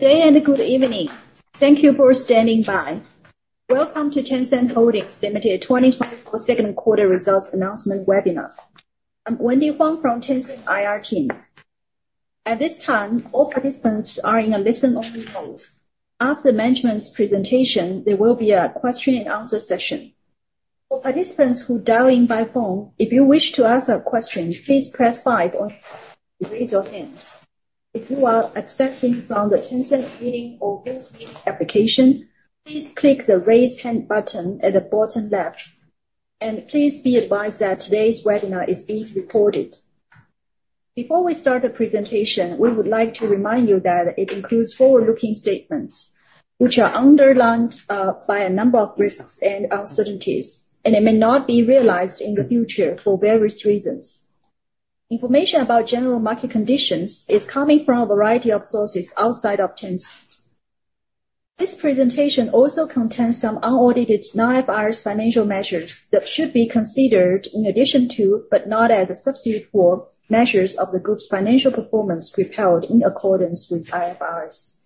Good day and good evening. Thank you for standing by. Welcome to Tencent Holdings Limited 2024 second quarter results announcement webinar. I'm Wendy Huang from Tencent IR team. At this time, all participants are in a listen-only mode. After management's presentation, there will be a question and answer session. For participants who dial in by phone, if you wish to ask a question, please press 5 or raise your hand. If you are accessing from the Tencent Meeting or GoToMeeting application, please click the Raise Hand button at the bottom left, and please be advised that today's webinar is being recorded. Before we start the presentation, we would like to remind you that it includes forward-looking statements, which are underlined by a number of risks and uncertainties, and it may not be realized in the future for various reasons. Information about general market conditions is coming from a variety of sources outside of Tencent. This presentation also contains some unaudited non-IFRS financial measures that should be considered in addition to, but not as a substitute for, measures of the group's financial performance prepared in accordance with IFRS.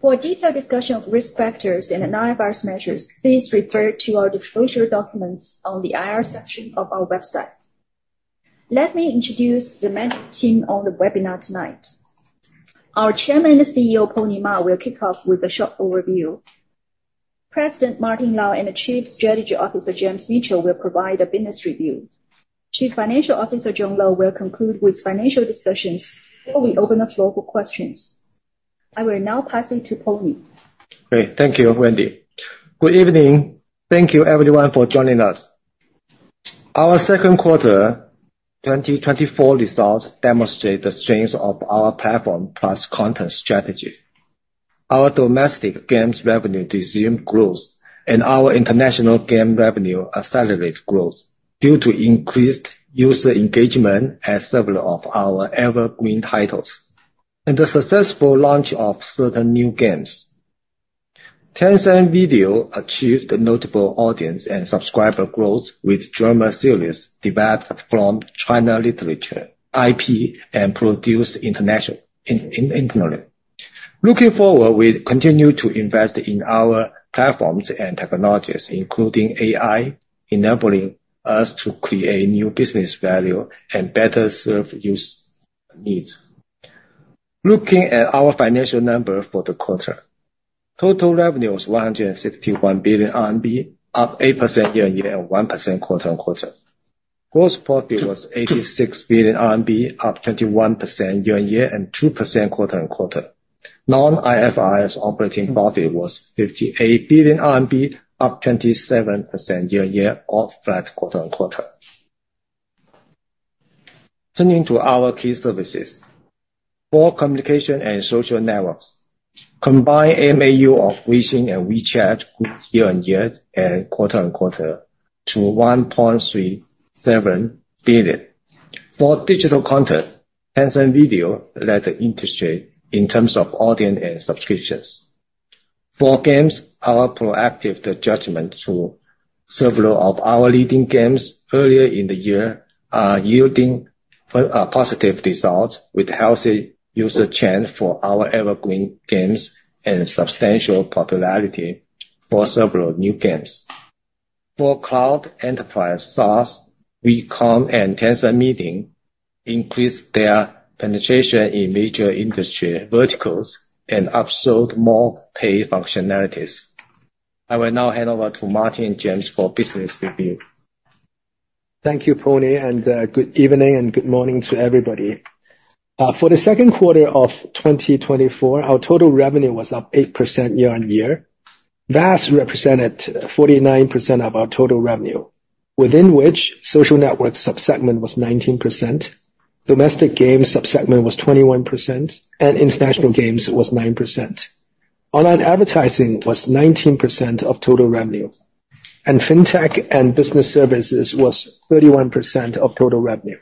For a detailed discussion of risk factors and non-IFRS measures, please refer to our disclosure documents on the IR section of our website. Let me introduce the management team on the webinar tonight. Our Chairman and CEO, Pony Ma, will kick off with a short overview. President Martin Lau and Chief Strategy Officer James Mitchell will provide a business review. Chief Financial Officer John Lo will conclude with financial discussions before we open the floor for questions. I will now pass it to Pony. Great. Thank you, Wendy. Good evening. Thank you everyone for joining us. Our second quarter 2024 results demonstrate the strength of our platform plus content strategy. Our domestic games revenue resumed growth, and our international game revenue accelerate growth due to increased user engagement at several of our evergreen titles, and the successful launch of certain new games. Tencent Video achieved a notable audience and subscriber growth with drama series developed from China Literature IP, and produced internally. Looking forward, we continue to invest in our platforms and technologies, including AI, enabling us to create new business value and better serve user needs. Looking at our financial numbers for the quarter, total revenue was 161 billion RMB, up 8% year-on-year and 1% quarter-on-quarter. Gross profit was 86 billion RMB, up 21% year-on-year and 2% quarter-on-quarter. Non-IFRS operating profit was 58 billion RMB, up 27% year-on-year, was flat quarter-on-quarter. Turning to our key services. For communication and social networks, combined MAU of WeChat and QQ grew year-on-year and quarter-on-quarter to 1.37 billion. For digital content, Tencent Video led the industry in terms of audience and subscriptions. For games, our proactive judgment to several of our leading games earlier in the year are yielding positive results, with healthy user trend for our evergreen games and substantial popularity for several new games. For cloud enterprise SaaS, WeCom and Tencent Meeting increased their penetration in major industry verticals and upsold more paid functionalities. I will now hand over to Martin and James for business review. Thank you, Pony, and good evening and good morning to everybody. For the second quarter of 2024, our total revenue was up 8% year-on-year. VAS represented 49% of our total revenue, within which social network sub-segment was 19%, domestic game sub-segment was 21%, and international games was 9%. Online advertising was 19% of total revenue, and FinTech and business services was 31% of total revenue.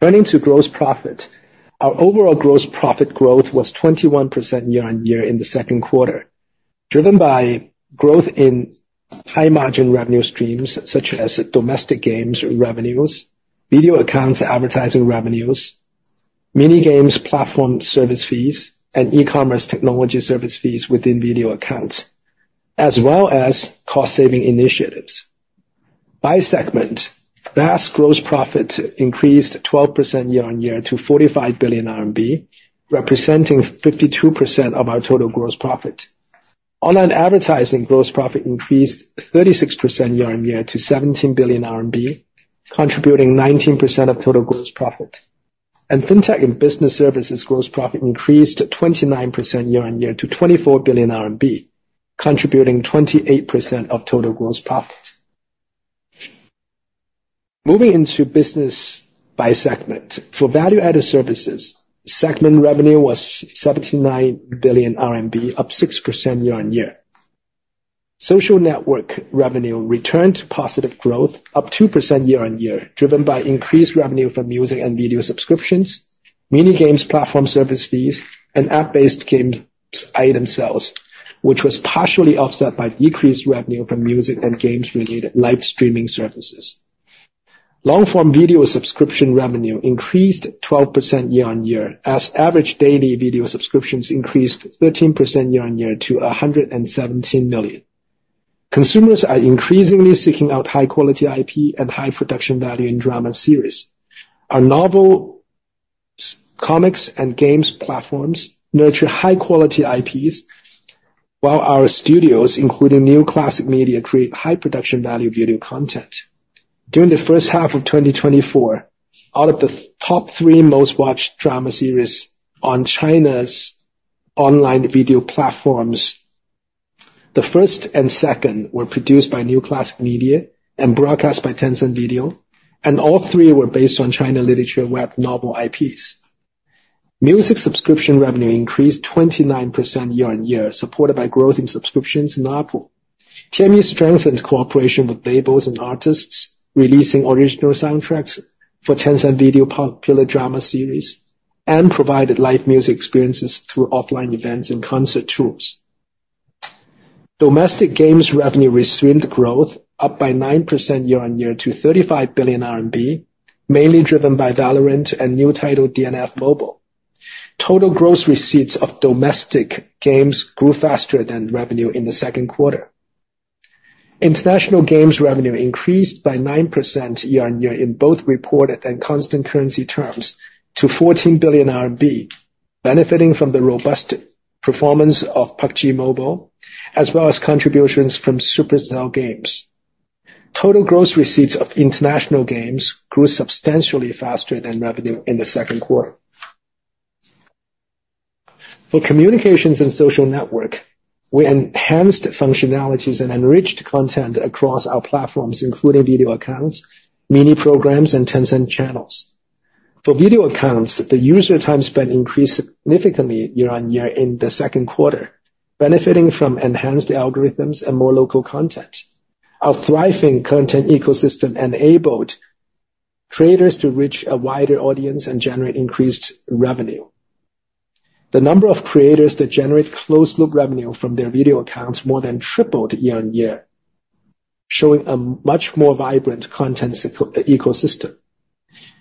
Turning to gross profit. Our overall gross profit growth was 21% year-on-year in the second quarter, driven by growth in high-margin revenue streams, such as domestic games revenues, Video Accounts, advertising revenues, Mini Games platform service fees, and e-commerce technology service fees within Video Accounts, as well as cost-saving initiatives. By segment, VAS gross profit increased 12% year-on-year to 45 billion RMB, representing 52% of our total gross profit. Online advertising gross profit increased 36% year-on-year to 17 billion RMB, contributing 19% of total gross profit. Fintech and business services gross profit increased 29% year-on-year to 24 billion RMB, contributing 28% of total gross profit. Moving into business by segment. For value-added services, segment revenue was 79 billion RMB, up 6% year-on-year. Social network revenue returned to positive growth, up 2% year-on-year, driven by increased revenue from music and video subscriptions, mini games platform service fees, and app-based games item sales, which was partially offset by decreased revenue from music and games-related live streaming services. Long-form video subscription revenue increased 12% year-on-year, as average daily video subscriptions increased 13% year-on-year to 117 million. Consumers are increasingly seeking out high-quality IP and high production value in drama series. Our novels, comics, and games platforms nurture high-quality IPs, while our studios, including New Classic Media, create high production value video content. During the first half of 2024, out of the top three most watched drama series on China's online video platforms, the first and second were produced by New Classic Media and broadcast by Tencent Video, and all three were based on China Literature web novel IPs. Music subscription revenue increased 29% year-on-year, supported by growth in subscriptions in Apple. TME strengthened cooperation with labels and artists, releasing original soundtracks for Tencent Video popular drama series, and provided live music experiences through offline events and concert tours. Domestic games revenue resumed growth, up by 9% year-on-year to 35 billion RMB, mainly driven by Valorant and new title, DNF Mobile. Total gross receipts of domestic games grew faster than revenue in the second quarter. International games revenue increased by 9% year-on-year in both reported and constant currency terms to 14 billion RMB, benefiting from the robust performance of PUBG Mobile, as well as contributions from Supercell games. Total gross receipts of international games grew substantially faster than revenue in the second quarter. For communications and social network, we enhanced functionalities and enriched content across our platforms, including Video Accounts, Mini Programs, and Tencent Channels. For Video Accounts, the user time spent increased significantly year-on-year in the second quarter, benefiting from enhanced algorithms and more local content. Our thriving content ecosystem enabled creators to reach a wider audience and generate increased revenue. The number of creators that generate closed-loop revenue from their Video Accounts more than tripled year-on-year, showing a much more vibrant content ecosystem.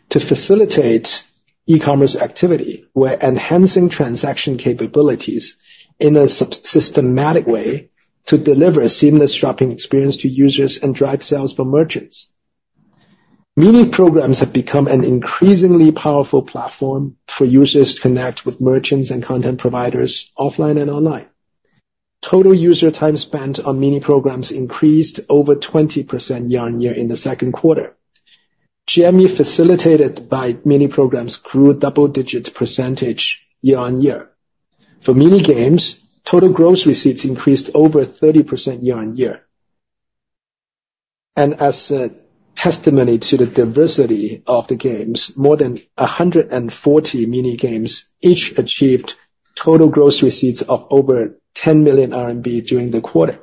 To facilitate e-commerce activity, we're enhancing transaction capabilities in a systematic way to deliver a seamless shopping experience to users and drive sales for merchants. Mini Programs have become an increasingly powerful platform for users to connect with merchants and content providers offline and online. Total user time spent on Mini Programs increased over 20% year-on-year in the second quarter. TME, facilitated by Mini Programs, grew double-digit % year-on-year. For Mini Games, total gross receipts increased over 30% year-on-year. And as a testimony to the diversity of the games, more than 140 Mini Games each achieved total gross receipts of over 10 million RMB during the quarter.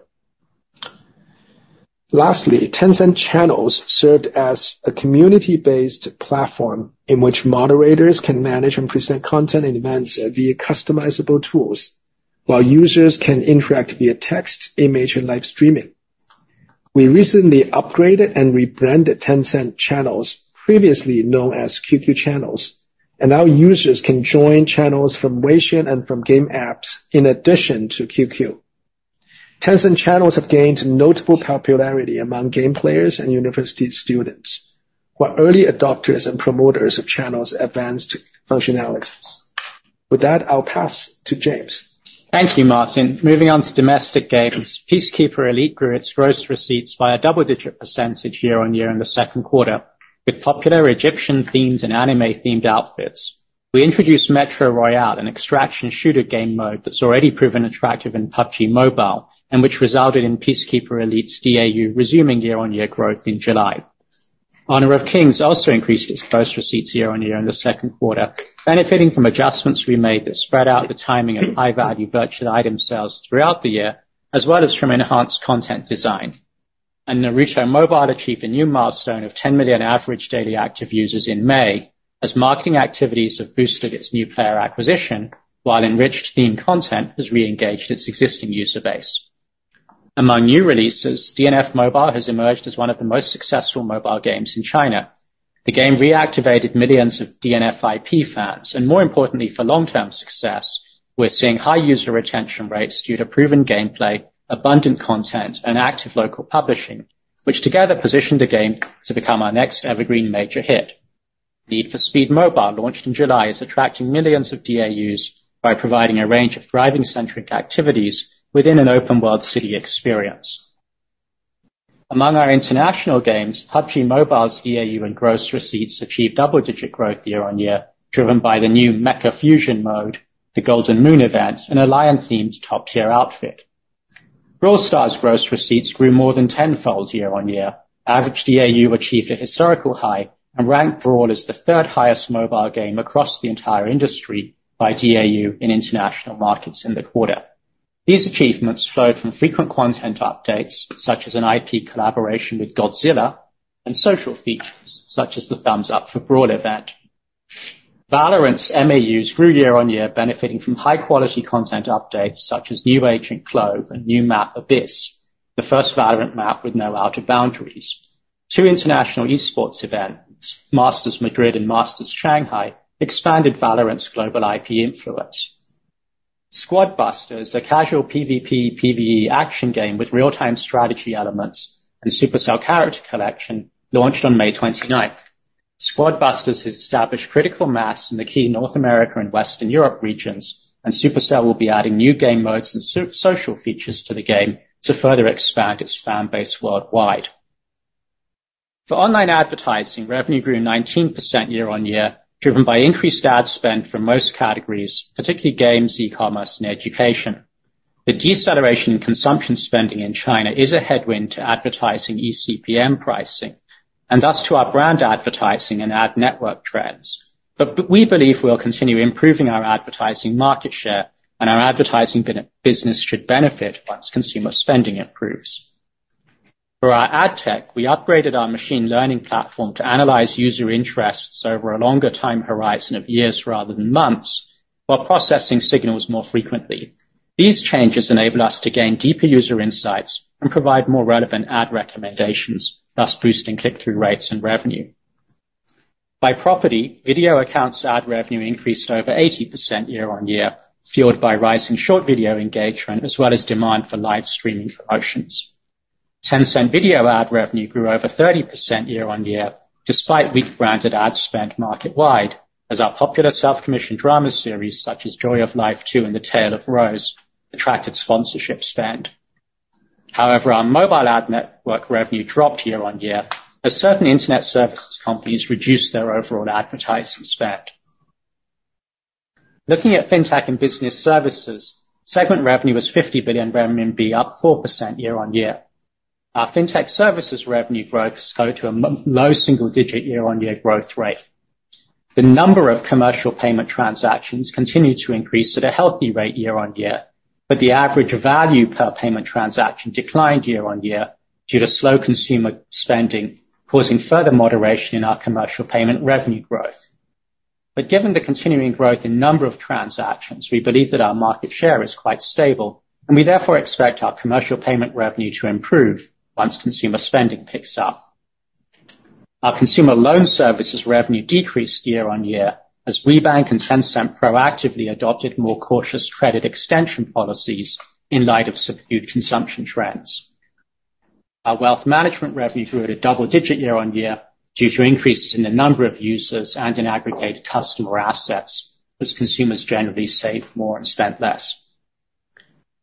Lastly, Tencent Channels served as a community-based platform in which moderators can manage and present content and events via customizable tools, while users can interact via text, image, and live streaming. We recently upgraded and rebranded Tencent Channels, previously known as QQ Channels, and now users can join channels from Weixin and from game apps in addition to QQ. Tencent Channels have gained notable popularity among game players and university students, who are early adopters and promoters of Channels' advanced functionalities. With that, I'll pass to James. Thank you, Martin. Moving on to domestic games. Peacekeeper Elite grew its gross receipts by a double-digit % year-on-year in the second quarter, with popular Egyptian-themed and anime-themed outfits. We introduced Metro Royale, an extraction shooter game mode that's already proven attractive in PUBG Mobile, and which resulted in Peacekeeper Elite's DAU resuming year-on-year growth in July. Honor of Kings also increased its gross receipts year-on-year in the second quarter, benefiting from adjustments we made that spread out the timing of high-value virtual item sales throughout the year, as well as from enhanced content design. Naruto Mobile achieved a new milestone of 10 million average daily active users in May, as marketing activities have boosted its new player acquisition, while enriched theme content has reengaged its existing user base. Among new releases, DNF Mobile has emerged as one of the most successful mobile games in China. The game reactivated millions of DNF IP fans, and more importantly, for long-term success, we're seeing high user retention rates due to proven gameplay, abundant content, and active local publishing, which together positioned the game to become our next evergreen major hit. Need for Speed Mobile, launched in July, is attracting millions of DAUs by providing a range of driving-centric activities within an open world city experience. Among our international games, PUBG Mobile's DAU and gross receipts achieved double-digit growth year-on-year, driven by the new Mecha Fusion mode, the Golden Moon event, and a lion-themed top-tier outfit. Brawl Stars' gross receipts grew more than tenfold year-on-year. Average DAU achieved a historical high and ranked Brawl as the third highest mobile game across the entire industry by DAU in international markets in the quarter. These achievements flowed from frequent content updates, such as an IP collaboration with Godzilla, and social features, such as the Thumbs Up for Brawl event. Valorant's MAUs grew year-on-year, benefiting from high-quality content updates, such as new agent Clove and new map Abyss, the first Valorant map with no out of boundaries. Two international esports events, Masters Madrid and Masters Shanghai, expanded Valorant's global IP influence. Squad Busters, a casual PVP PVE action game with real-time strategy elements and Supercell character collection, launched on May 29th. Squad Busters has established critical mass in the key North America and Western Europe regions, and Supercell will be adding new game modes and social features to the game to further expand its fan base worldwide. For online advertising, revenue grew 19% year-on-year, driven by increased ad spend from most categories, particularly games, e-commerce, and education. The deceleration in consumption spending in China is a headwind to advertising eCPM pricing, and thus to our brand advertising and ad network trends. But we believe we'll continue improving our advertising market share, and our advertising business should benefit once consumer spending improves. For our ad tech, we upgraded our machine learning platform to analyze user interests over a longer time horizon of years rather than months, while processing signals more frequently. These changes enable us to gain deeper user insights and provide more relevant ad recommendations, thus boosting click-through rates and revenue. By property, Video Accounts ad revenue increased over 80% year-on-year, fueled by rising short video engagement, as well as demand for live streaming promotions. Tencent Video ad revenue grew over 30% year-on-year, despite weak branded ad spend market wide, as our popular self-commissioned drama series, such as Joy of Life 2 and The Tale of Rose, attracted sponsorship spend. However, our mobile ad network revenue dropped year-on-year, as certain internet services companies reduced their overall advertising spend. Looking at Fintech and business services, segment revenue was 50 billion RMB, up 4% year-on-year. Our Fintech services revenue growth slowed to a low single digit year-on-year growth rate. The number of commercial payment transactions continued to increase at a healthy rate year-on-year, but the average value per payment transaction declined year-on-year due to slow consumer spending, causing further moderation in our commercial payment revenue growth. Given the continuing growth in number of transactions, we believe that our market share is quite stable, and we therefore expect our commercial payment revenue to improve once consumer spending picks up. Our consumer loan services revenue decreased year-on-year, as WeBank and Tencent proactively adopted more cautious credit extension policies in light of subdued consumption trends. Our wealth management revenue grew at a double-digit year-on-year due to increases in the number of users and in aggregate customer assets, as consumers generally saved more and spent less.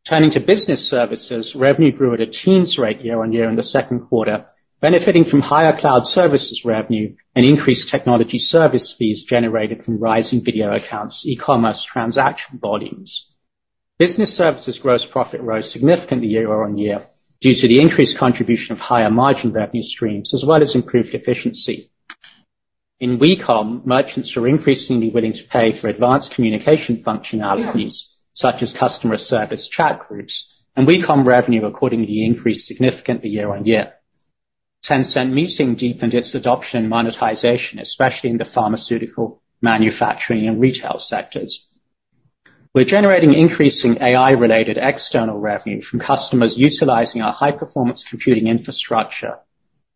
Turning to business services, revenue grew at a teens rate year-on-year in the second quarter, benefiting from higher cloud services revenue and increased technology service fees generated from rising Video Accounts, e-commerce, transaction volumes. Business services gross profit rose significantly year-on-year, due to the increased contribution of higher margin revenue streams, as well as improved efficiency. In WeCom, merchants are increasingly willing to pay for advanced communication functionalities, such as customer service chat groups, and WeCom revenue accordingly increased significantly year-on-year. Tencent Meeting deepened its adoption and monetization, especially in the pharmaceutical, manufacturing, and retail sectors. We're generating increasing AI-related external revenue from customers utilizing our high-performance computing infrastructure,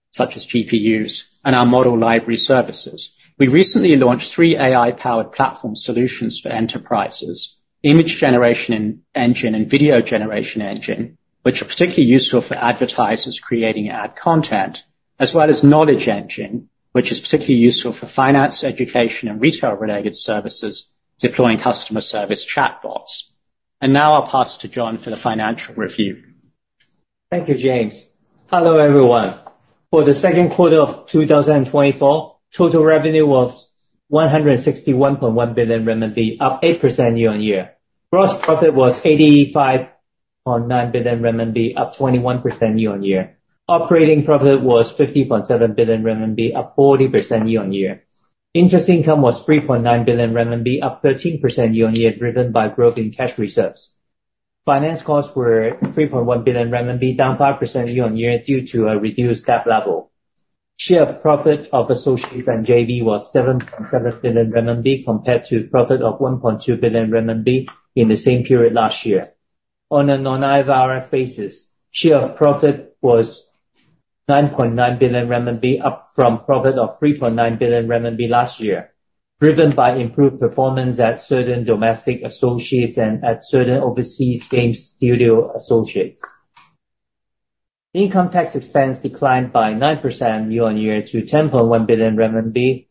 such as GPUs and our model library services. We recently launched three AI-powered platform solutions for enterprises: image generation and engine and video generation engine, which are particularly useful for advertisers creating ad content, as well as knowledge engine, which is particularly useful for finance, education, and retail-related services, deploying customer service chatbots. Now I'll pass to John for the financial review. Thank you, James. Hello, everyone. For the second quarter of 2024, total revenue was 161.1 billion RMB, up 8% year-on-year. Gross profit was 85.9 billion RMB, up 21% year-on-year. Operating profit was 50.7 billion RMB, up 40% year-on-year. Interest income was 3.9 billion RMB, up 13% year-on-year, driven by growth in cash reserves. Finance costs were 3.1 billion RMB, down 5% year-on-year due to a reduced debt level. Share of profit of associates and JV was 7.7 billion RMB, compared to profit of 1.2 billion RMB in the same period last year. On a non-IFRS basis, share of profit was 9.9 billion RMB, up from profit of 3.9 billion RMB last year, driven by improved performance at certain domestic associates and at certain overseas game studio associates. Income tax expense declined by 9% year-on-year to 10.1 billion RMB,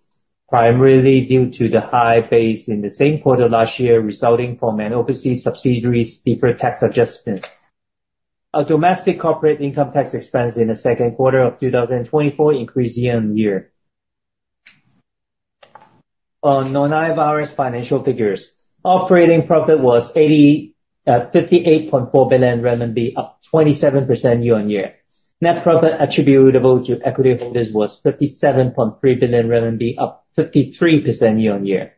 primarily due to the high base in the same quarter last year, resulting from an overseas subsidiary's deferred tax adjustment. Our domestic corporate income tax expense in the second quarter of 2024 increased year-on-year. On non-IFRS financial figures, operating profit was eighty, fifty-eight point four billion renminbi, up 27% year-on-year. Net profit attributable to equity holders was 57.3 billion RMB, up 53% year-on-year.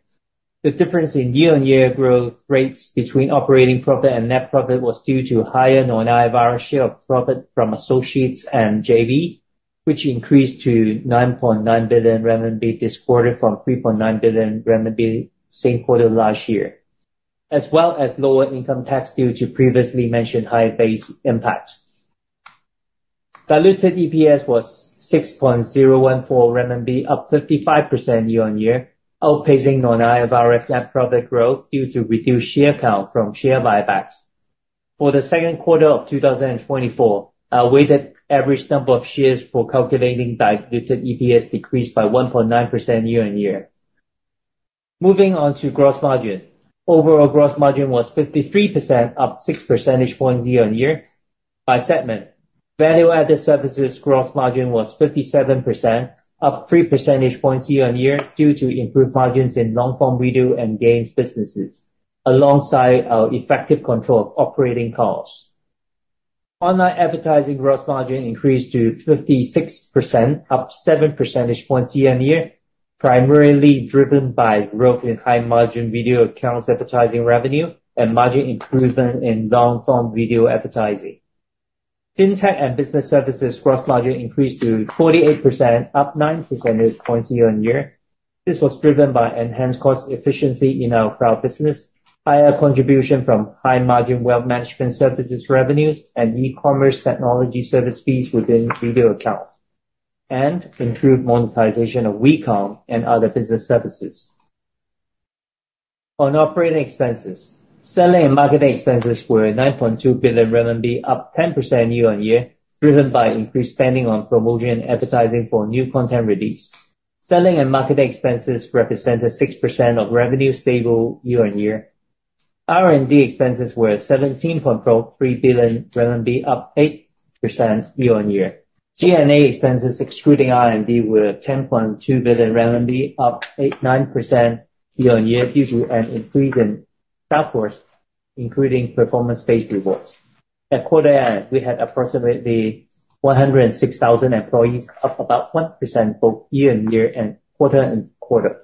The difference in year-on-year growth rates between operating profit and net profit was due to higher non-IFRS share of profit from associates and JV.... which increased to 9.9 billion RMB this quarter from 3.9 billion RMB same quarter last year, as well as lower income tax due to previously mentioned higher base impact. Diluted EPS was 6.014 RMB, up 55% year-on-year, outpacing non-IFRS net profit growth due to reduced share count from share buybacks. For the second quarter of 2024, our weighted average number of shares for calculating diluted EPS decreased by 1.9% year-on-year. Moving on to gross margin. Overall, gross margin was 53%, up 6 percentage points year-on-year. By segment, value-added services gross margin was 57%, up 3 percentage points year-on-year, due to improved margins in long-form video and games businesses, alongside our effective control of operating costs. Online advertising gross margin increased to 56%, up seven percentage points year-on-year, primarily driven by growth in high-margin Video Accounts advertising revenue, and margin improvement in long-form video advertising. Fintech and business services gross margin increased to 48%, up nine percentage points year-on-year. This was driven by enhanced cost efficiency in our cloud business, higher contribution from high-margin wealth management services revenues, and e-commerce technology service fees within Video Accounts, and improved monetization of WeChat and other business services. On operating expenses, selling and marketing expenses were 9.2 billion RMB, up 10% year-on-year, driven by increased spending on promotion and advertising for new content release. Selling and marketing expenses represented 6% of revenue, stable year-on-year. R&D expenses were 17.03 billion RMB, up 8% year-on-year. G&A expenses, excluding R&D, were 10.2 billion RMB, up eight... 9% year-on-year, due to an increase in staff costs, including performance-based rewards. At quarter end, we had approximately 106,000 employees, up about 1% both year-on-year and quarter-on-quarter.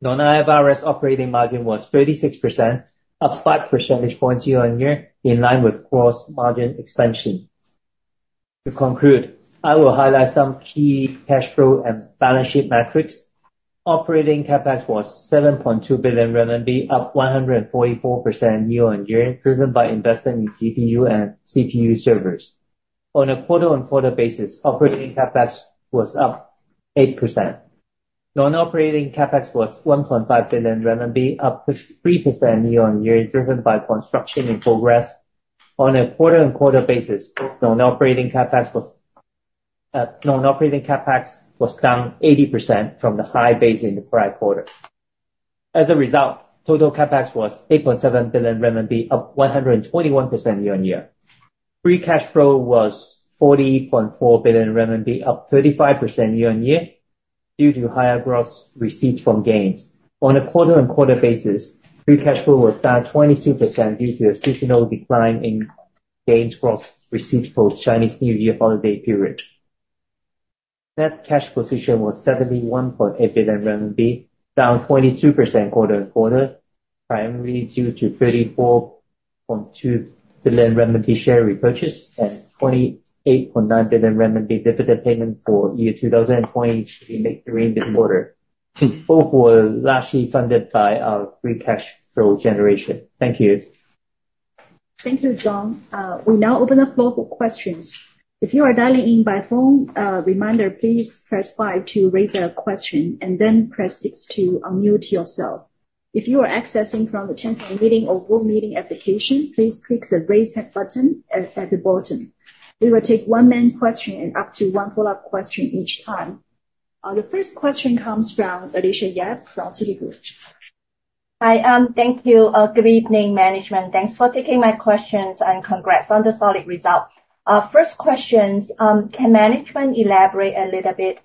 Non-IFRS operating margin was 36%, up five percentage points year-on-year, in line with gross margin expansion. To conclude, I will highlight some key cash flow and balance sheet metrics. Operating CapEx was 7.2 billion RMB, up 144% year-on-year, driven by investment in GPU and CPU servers. On a quarter-on-quarter basis, operating CapEx was up 8%. Non-operating CapEx was 1.5 billion RMB, up 3% year-on-year, driven by construction in progress. On a quarter-on-quarter basis, non-operating CapEx was down 80% from the high base in the prior quarter. As a result, total CapEx was 8.7 billion RMB, up 121% year-on-year. Free cash flow was 40.4 billion RMB, up 35% year-on-year, due to higher gross receipts from games. On a quarter-on-quarter basis, free cash flow was down 22% due to a seasonal decline in games gross receipts for Chinese New Year holiday period. Net cash position was 71.8 billion RMB, down 22% quarter-on-quarter, primarily due to 34.2 billion RMB share repurchase and 28.9 billion RMB dividend payment for year 2023 in this quarter. Both were largely funded by our free cash flow generation. Thank you. Thank you, John. We now open the floor for questions. If you are dialing in by phone, a reminder, please press 5 to raise a question and then press 6 to unmute yourself. If you are accessing from the Tencent Meeting or Zoom meeting application, please click the Raise Hand button at the bottom. We will take one main question and up to one follow-up question each time. The first question comes from Alicia Yap from Citigroup. Hi, thank you. Good evening, management. Thanks for taking my questions, and congrats on the solid result. First questions, can management elaborate a little bit,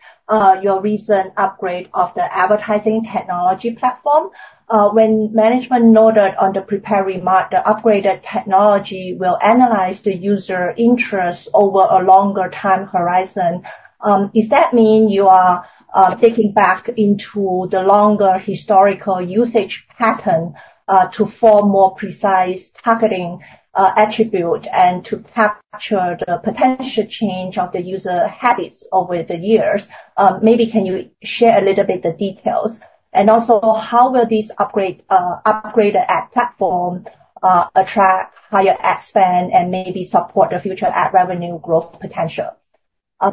your recent upgrade of the advertising technology platform? When management noted on the prepared remark, the upgraded technology will analyze the user interest over a longer time horizon, does that mean you are, taking back into the longer historical usage pattern, to form more precise targeting, attribute and to capture the potential change of the user habits over the years? Maybe can you share a little bit the details? And also, how will this upgrade, upgraded ad platform, attract higher ad spend and maybe support the future ad revenue growth potential?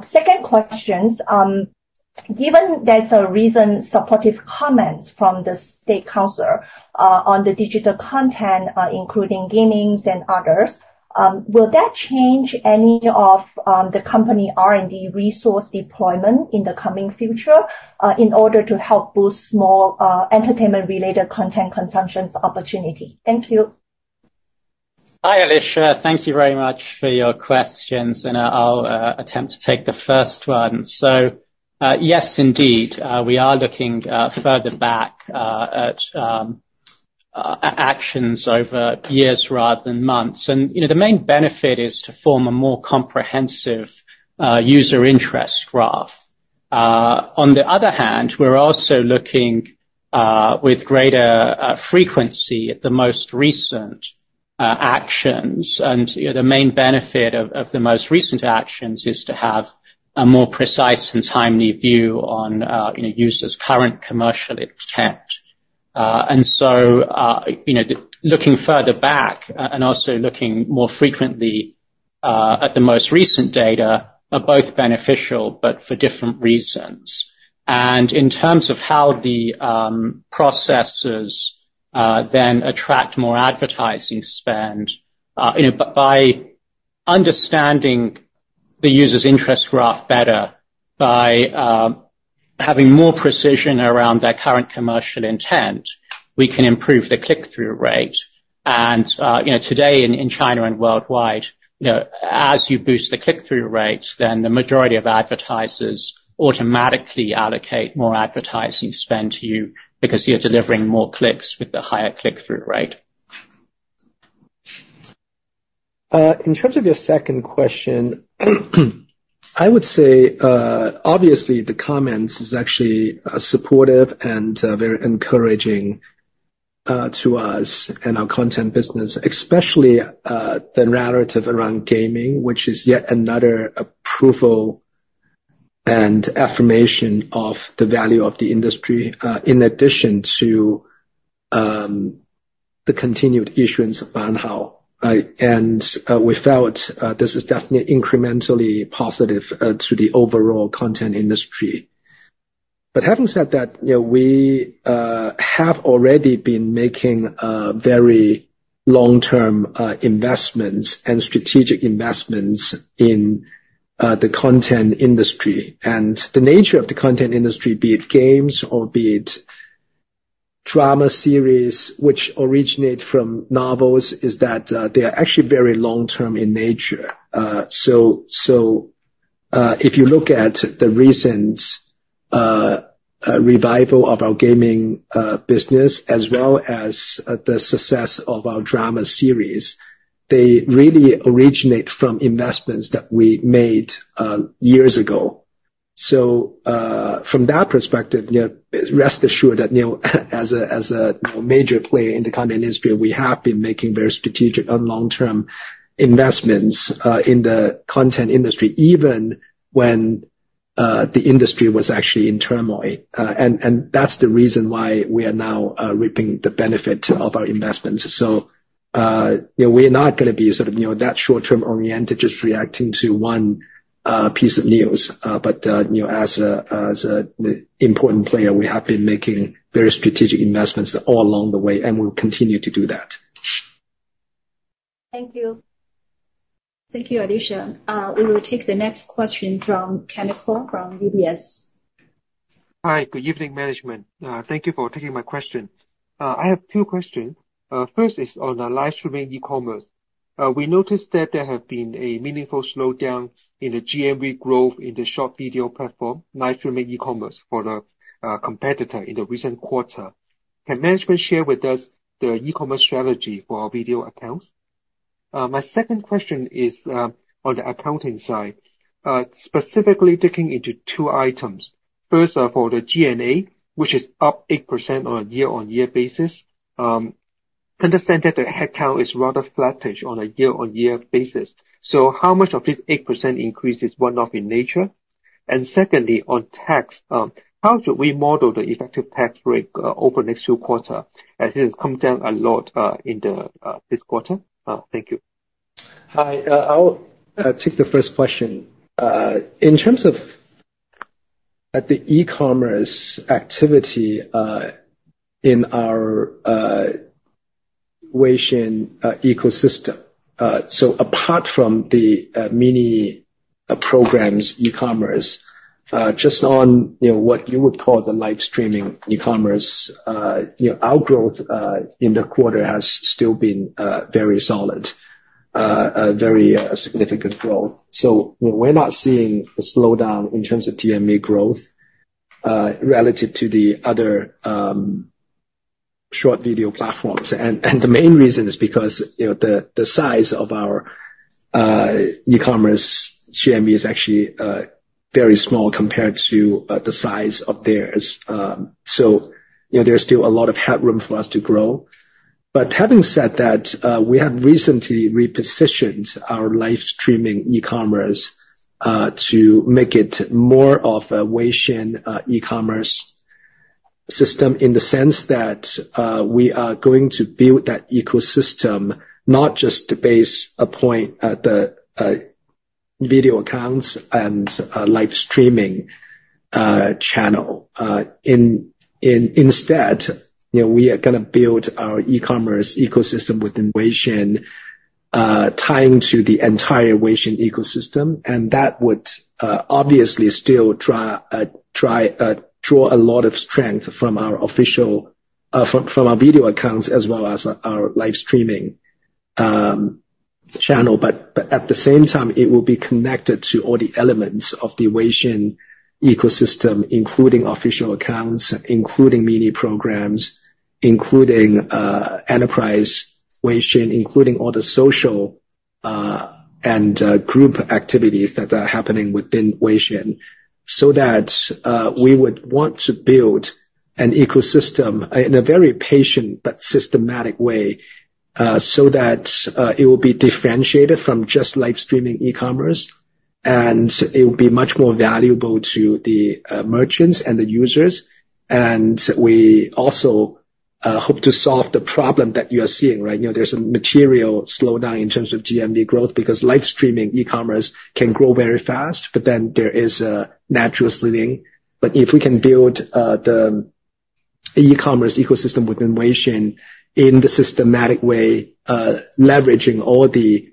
Second question, given there's a recent supportive comment from the State Council on the digital content, including gaming and others, will that change any of the company's R&D resource deployment in the coming future in order to help boost more entertainment-related content consumption opportunities? Thank you. Hi, Alicia. Thank you very much for your questions, and I'll attempt to take the first one. So, yes, indeed, we are looking further back at actions over years rather than months. You know, the main benefit is to form a more comprehensive user interest graph.... On the other hand, we're also looking with greater frequency at the most recent actions. You know, the main benefit of the most recent actions is to have a more precise and timely view on, you know, users' current commercial intent. And so, you know, looking further back and also looking more frequently at the most recent data are both beneficial, but for different reasons. And in terms of how the processes then attract more advertising spend, you know, by understanding the user's interest graph better, by having more precision around their current commercial intent, we can improve the click-through rate. You know, today, in China and worldwide, you know, as you boost the click-through rates, then the majority of advertisers automatically allocate more advertising spend to you because you're delivering more clicks with the higher click-through rate. In terms of your second question, I would say, obviously, the comments is actually supportive and very encouraging to us and our content business, especially the narrative around gaming, which is yet another approval and affirmation of the value of the industry, in addition to the continued issuance of Banhao. And we felt this is definitely incrementally positive to the overall content industry. But having said that, you know, we have already been making very long-term investments and strategic investments in the content industry. And the nature of the content industry, be it games or be it drama series, which originate from novels, is that they are actually very long-term in nature. So, if you look at the recent revival of our gaming business, as well as the success of our drama series, they really originate from investments that we made years ago. So, from that perspective, you know, rest assured that, you know, as a major player in the content industry, we have been making very strategic and long-term investments in the content industry, even when the industry was actually in turmoil. That's the reason why we are now reaping the benefit of our investments. So, you know, we're not gonna be sort of, you know, that short-term oriented, just reacting to one piece of news. But, you know, as an important player, we have been making very strategic investments all along the way, and we'll continue to do that. Thank you. Thank you, Alicia. We will take the next question from Kenneth Fong from UBS. Hi, good evening, management. Thank you for taking my question. I have two questions. First is on the live streaming e-commerce. We noticed that there have been a meaningful slowdown in the GMV growth in the short video platform, live streaming e-commerce, for the competitor in the recent quarter. Can management share with us their e-commerce strategy for our Video Accounts? My second question is on the accounting side, specifically digging into two items. First, for the G&A, which is up 8% on a year-on-year basis, understand that the headcount is rather flattish on a year-on-year basis. So how much of this 8% increase is one-off in nature? And secondly, on tax, how should we model the effective tax rate over the next two quarter, as it has come down a lot in this quarter? Thank you. Hi, I'll take the first question. In terms of at the e-commerce activity in our Weixin ecosystem. So apart from the mini programs e-commerce just on, you know, what you would call the live streaming e-commerce, you know, our growth in the quarter has still been very solid, a very significant growth. So, you know, we're not seeing a slowdown in terms of GMV growth relative to the other short video platforms. And the main reason is because, you know, the size of our e-commerce GMV is actually very small compared to the size of theirs. So, you know, there's still a lot of headroom for us to grow. But having said that, we have recently repositioned our live streaming e-commerce to make it more of a Weixin e-commerce system, in the sense that we are going to build that ecosystem, not just to base a point at the video accounts and live streaming channel. Instead, you know, we are gonna build our e-commerce ecosystem within Weixin, tying to the entire Weixin ecosystem, and that would obviously still draw a lot of strength from our official from our Video Accounts as well as our live streaming channel. But at the same time, it will be connected to all the elements of the Weixin ecosystem, including official accounts, including Mini Programs, including enterprise Weixin, including all the social-... and group activities that are happening within Weixin, so that we would want to build an ecosystem in a very patient but systematic way, so that it will be differentiated from just live streaming e-commerce, and it will be much more valuable to the merchants and the users. We also hope to solve the problem that you are seeing, right? You know, there's a material slowdown in terms of GMV growth, because live streaming e-commerce can grow very fast, but then there is a natural ceiling. But if we can build the e-commerce ecosystem within Weixin in the systematic way, leveraging all the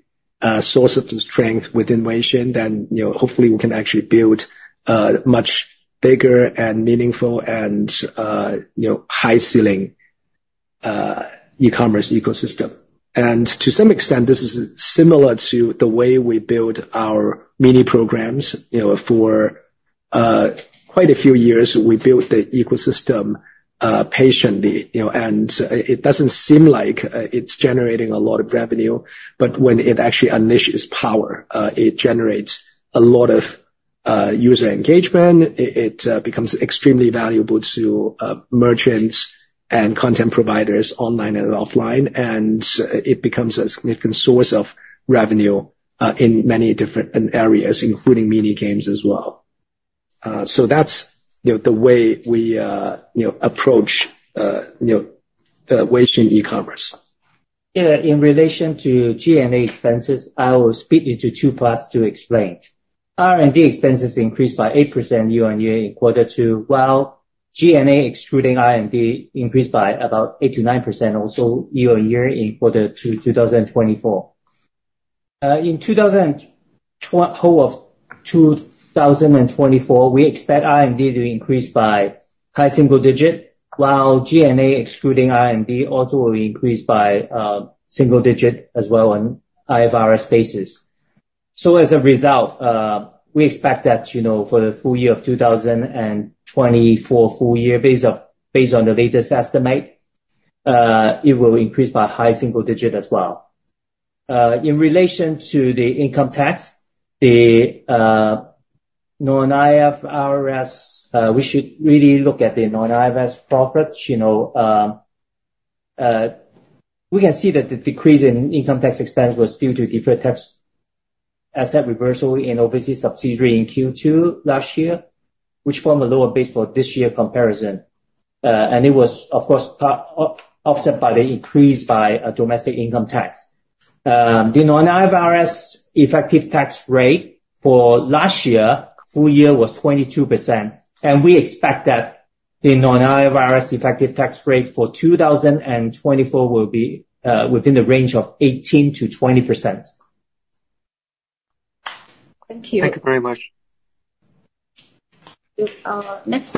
source of the strength within Weixin, then, you know, hopefully we can actually build a much bigger and meaningful and, you know, high ceiling e-commerce ecosystem. To some extent, this is similar to the way we build our Mini Programs. You know, for quite a few years, we built the ecosystem patiently, you know, and it doesn't seem like it's generating a lot of revenue, but when it actually unleashes power, it generates a lot of user engagement. It becomes extremely valuable to merchants and content providers online and offline, and it becomes a significant source of revenue in many different areas, including Mini Games as well. So that's, you know, the way we, you know, approach, you know, the Weixin e-commerce. Yeah, in relation to G&A expenses, I will split into two parts to explain. R&D expenses increased by 8% year-over-year in quarter two, while G&A, excluding R&D, increased by about 8%-9%, also year-over-year in quarter two of 2024. In 2024, we expect R&D to increase by high single digit, while G&A, excluding R&D, also will increase by single digit as well on IFRS basis. So as a result, we expect that, you know, for the full year of 2024, full year, based on the latest estimate, it will increase by high single digit as well. In relation to the income tax, the non-IFRS, we should really look at the non-IFRS profits. You know, we can see that the decrease in income tax expense was due to deferred tax asset reversal in overseas subsidiary in Q2 last year, which formed a lower base for this year comparison. And it was, of course, partially offset by the increase in domestic income tax. The non-IFRS effective tax rate for last year, full year, was 22%, and we expect that the non-IFRS effective tax rate for 2024 will be within the range of 18%-20%. Thank you. Thank you very much. Next,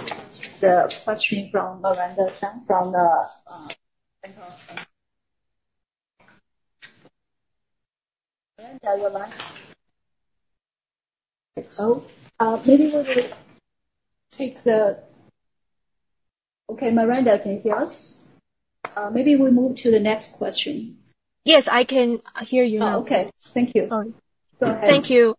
the question from Miranda Zhuang, from the... Miranda, you're last. So, maybe we will take the... Okay, Miranda, can you hear us? Maybe we move to the next question. Yes, I can hear you now. Oh, okay. Thank you. Sorry. Go ahead. Thank you.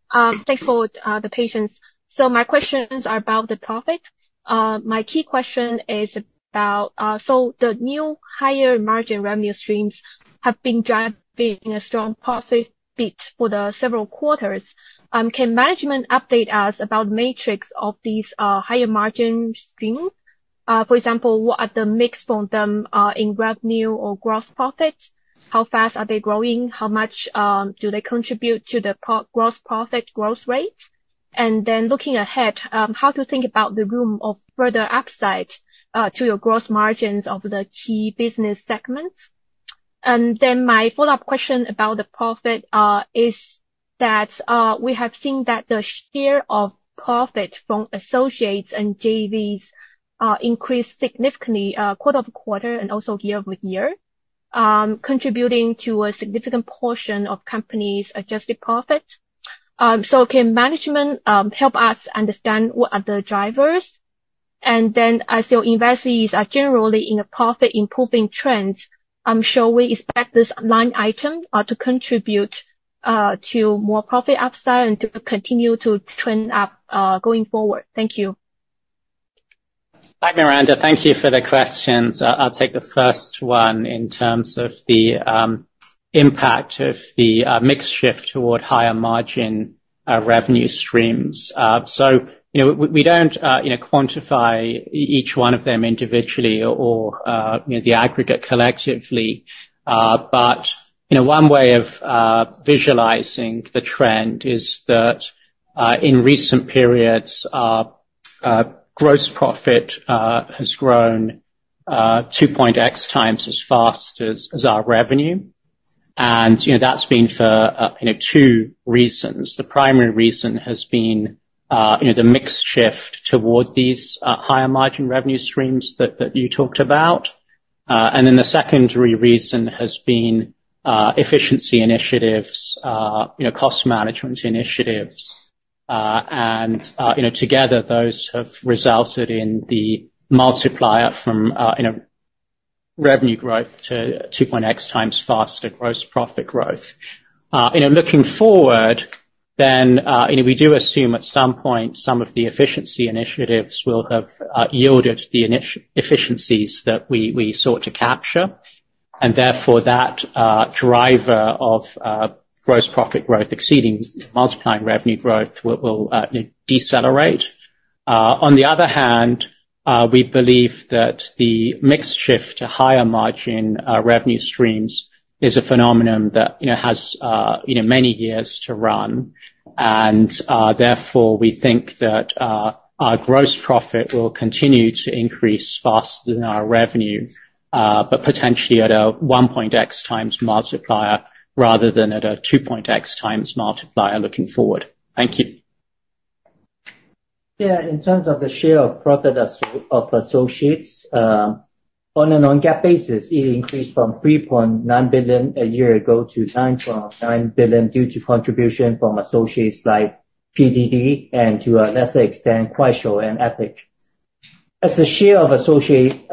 Thanks for the patience. So my questions are about the profit. My key question is about... So the new higher margin revenue streams have been driving a strong profit beat for the several quarters. Can management update us about metrics of these higher margin streams? For example, what are the mix from them in revenue or gross profit? How fast are they growing? How much do they contribute to the gross profit growth rate? And then looking ahead, how to think about the room of further upside to your gross margins of the growth margins of the key business segments? And then my follow-up question about the profit is that we have seen that the share of profit from associates and JVs increased significantly quarter-over-quarter and also year-over-year, contributing to a significant portion of company's adjusted profit. So can management help us understand what are the drivers? And then as your investees are generally in a profit improving trend, I'm sure we expect this line item to contribute to more profit upside and to continue to trend up going forward. Thank you. Hi, Miranda. Thank you for the questions. I'll take the first one in terms of the impact of the mix shift toward higher margin revenue streams. So you know, we don't you know, quantify each one of them individually or you know, the aggregate collectively. But you know, one way of visualizing the trend is that in recent periods gross profit has grown 2.x times as fast as our revenue. And you know, that's been for you know, two reasons. The primary reason has been you know, the mix shift toward these higher margin revenue streams that you talked about. And then the secondary reason has been efficiency initiatives you know, cost management initiatives. You know, together, those have resulted in the multiplier from, you know- ... revenue growth to 2.x times faster gross profit growth. And in looking forward, then, you know, we do assume at some point, some of the efficiency initiatives will have yielded the efficiencies that we sought to capture, and therefore, that driver of gross profit growth exceeding multiplying revenue growth will decelerate. On the other hand, we believe that the mix shift to higher margin revenue streams is a phenomenon that, you know, has many years to run. And therefore, we think that our gross profit will continue to increase faster than our revenue, but potentially at a 1.x times multiplier rather than at a 2.x times multiplier, looking forward. Thank you. Yeah, in terms of the share of profit of associates, on a non-GAAP basis, it increased from 3.9 billion a year ago to 9.9 billion, due to contribution from associates like PDD and to a lesser extent, Kuaishou and Epic. As the share of associate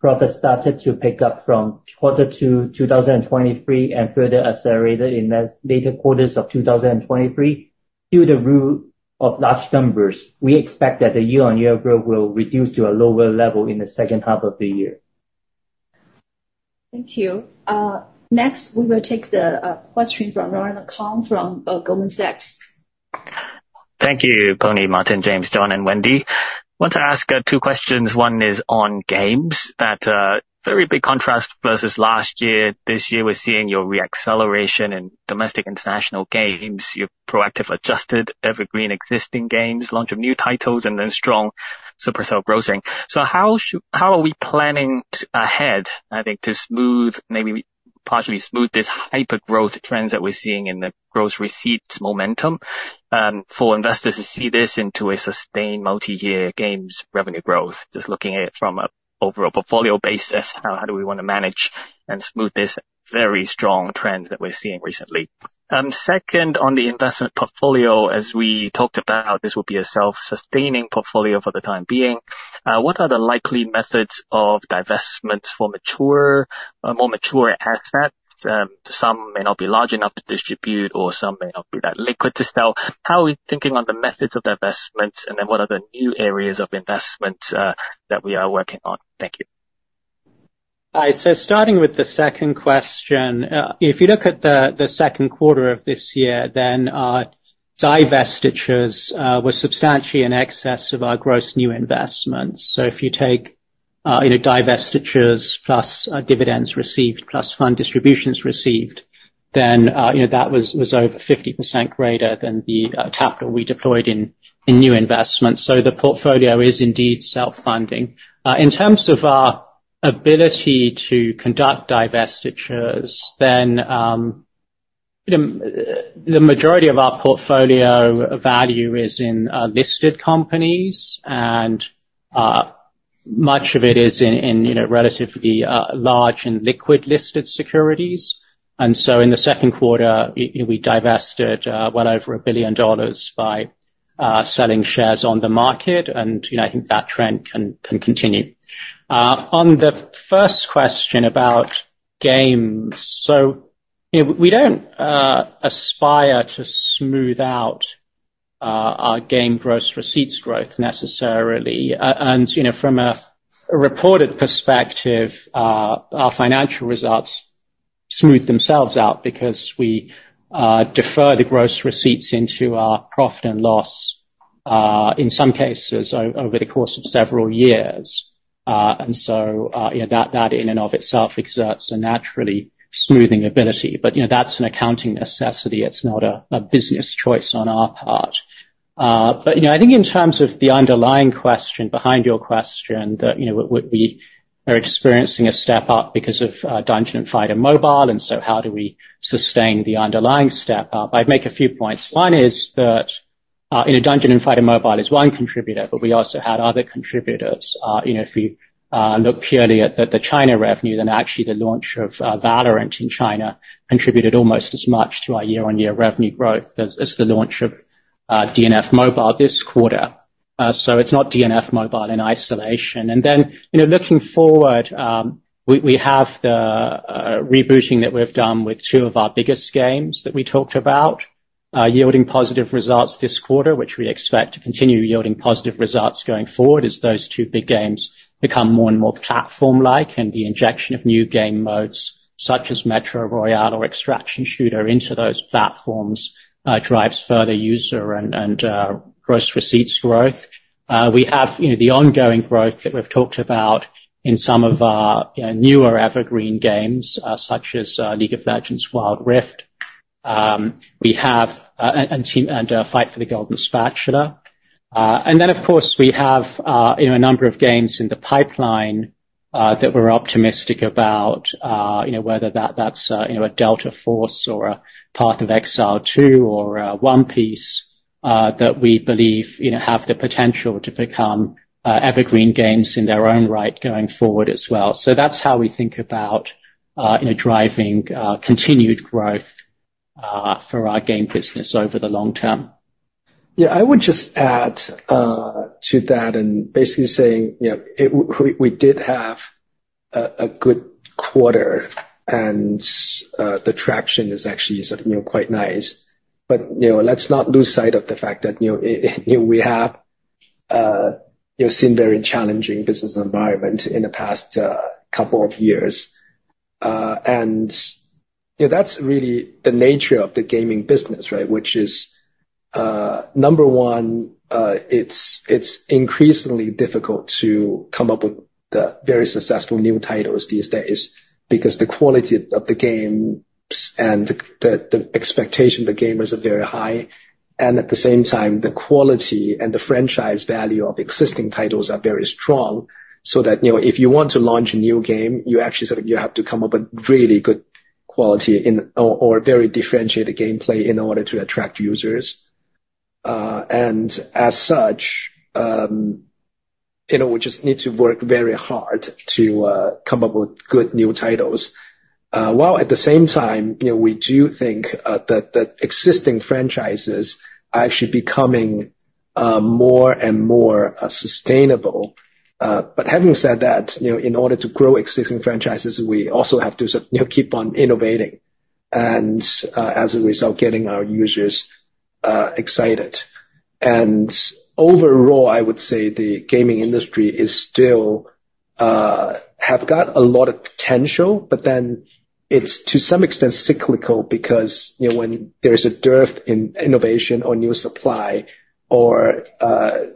profits started to pick up from Q2 2023, and further accelerated in the later quarters of 2023, due to rule of large numbers, we expect that the year-on-year growth will reduce to a lower level in the second half of the year. Thank you. Next, we will take the question from Lauren Kong from Goldman Sachs. Thank you, Pony, Martin, James, John, and Wendy. I want to ask two questions. One is on games that very big contrast versus last year. This year, we're seeing your re-acceleration in domestic international games, your proactive, adjusted, evergreen existing games, launch of new titles, and then strong Supercell grossing. So how are we planning ahead, I think, to smooth, maybe partially smooth, this hyper-growth trends that we're seeing in the gross receipts momentum for investors to see this into a sustained multi-year games revenue growth? Just looking at it from an overall portfolio basis, how do we want to manage and smooth this very strong trend that we're seeing recently? Second, on the investment portfolio, as we talked about, this will be a self-sustaining portfolio for the time being. What are the likely methods of divestment for mature, more mature assets? Some may not be large enough to distribute, or some may not be that liquid to sell. How are we thinking on the methods of the investment, and then what are the new areas of investment that we are working on? Thank you. Hi. So starting with the second question, if you look at the second quarter of this year, then divestitures were substantially in excess of our gross new investments. So if you take, you know, divestitures plus dividends received, plus fund distributions received, then, you know, that was over 50% greater than the capital we deployed in new investments. So the portfolio is indeed self-funding. In terms of our ability to conduct divestitures, then, the majority of our portfolio value is in listed companies, and much of it is in, you know, relatively large and liquid listed securities. And so in the second quarter, we divested well over $1 billion by selling shares on the market, and, you know, I think that trend can continue. On the first question about games, so you know, we don't aspire to smooth out our game gross receipts growth necessarily. And you know, from a reported perspective, our financial results smooth themselves out because we defer the gross receipts into our profit and loss, in some cases, over the course of several years. And so yeah, that in and of itself exerts a naturally smoothing ability. But you know, that's an accounting necessity. It's not a business choice on our part. But you know, I think in terms of the underlying question behind your question, that you know, we are experiencing a step up because of Dungeon and Fighter Mobile, and so how do we sustain the underlying step up? I'd make a few points. One is that, you know, Dungeon and Fighter Mobile is one contributor, but we also had other contributors. You know, if you look purely at the China revenue, then actually the launch of Valorant in China contributed almost as much to our year-on-year revenue growth as the launch of DNF Mobile this quarter. So it's not DNF Mobile in isolation. And then, you know, looking forward, we have the rebooting that we've done with two of our biggest games that we talked about, yielding positive results this quarter, which we expect to continue yielding positive results going forward as those two big games become more and more platform-like. And the injection of new game modes, such as Metro Royale or Extraction Shooter into those platforms, drives further user and gross receipts growth. We have, you know, the ongoing growth that we've talked about in some of our, you know, newer evergreen games such as League of Legends: Wild Rift. We have and Battle of the Golden Spatula. And then, of course, we have, you know, a number of games in the pipeline that we're optimistic about, you know, whether that's a Delta Force or a Path of Exile 2 or One Piece that we believe, you know, have the potential to become evergreen games in their own right, going forward as well. So that's how we think about, you know, driving continued growth for our game business over the long term. ... Yeah, I would just add to that and basically saying, you know, it, we did have a good quarter, and the traction is actually sort of, you know, quite nice. But, you know, let's not lose sight of the fact that, you know, we have you know seen very challenging business environment in the past couple of years. And, you know, that's really the nature of the gaming business, right? Which is number one, it's increasingly difficult to come up with the very successful new titles these days, because the quality of the games and the expectation of the gamers are very high. At the same time, the quality and the franchise value of existing titles are very strong, so that, you know, if you want to launch a new game, you actually sort of you have to come up with really good quality in... or, or very differentiated gameplay in order to attract users. As such, you know, we just need to work very hard to come up with good new titles. While at the same time, you know, we do think that that existing franchises are actually becoming more and more sustainable. But having said that, you know, in order to grow existing franchises, we also have to sort of, you know, keep on innovating, and as a result, getting our users excited. Overall, I would say the gaming industry is still have got a lot of potential, but then it's to some extent cyclical, because, you know, when there's a dearth in innovation or new supply or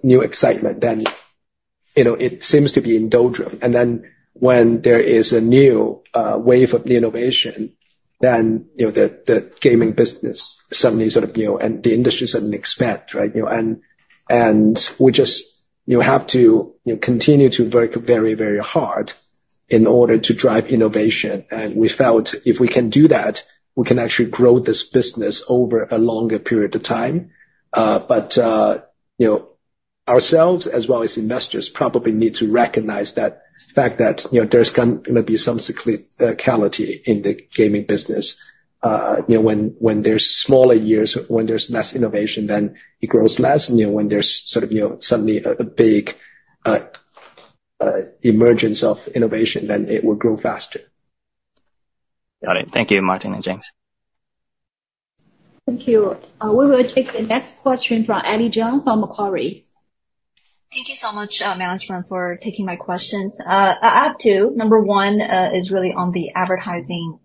new excitement, then, you know, it seems to be in doldrums. And then when there is a new wave of the innovation, then, you know, the gaming business suddenly sort of, you know, and the industry suddenly expand, right? You know, and we just have to, you know, continue to work very, very hard in order to drive innovation. And we felt if we can do that, we can actually grow this business over a longer period of time. But, you know, ourselves, as well as investors, probably need to recognize that fact that, you know, there's gonna be some cyclicality in the gaming business. You know, when there's smaller years, when there's less innovation, then it grows less. You know, when there's sort of, you know, suddenly a big emergence of innovation, then it will grow faster. Got it. Thank you, Martin and James. Thank you. We will take the next question from Annie Zhang from Macquarie. Thank you so much, management, for taking my questions. I have two. Number one is really on the advertising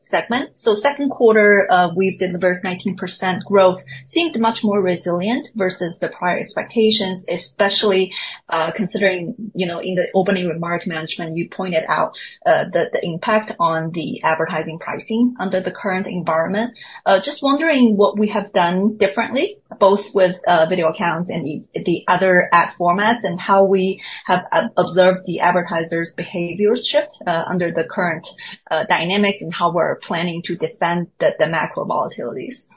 segment. So second quarter, we've delivered 19% growth, seemed much more resilient versus the prior expectations, especially, considering, you know, in the opening remark, management, you pointed out, the impact on the advertising pricing under the current environment. Just wondering what we have done differently, both with Video Accounts and the other ad formats, and how we have observed the advertisers' behaviors shift under the current dynamics, and how we're planning to defend the macro volatilities.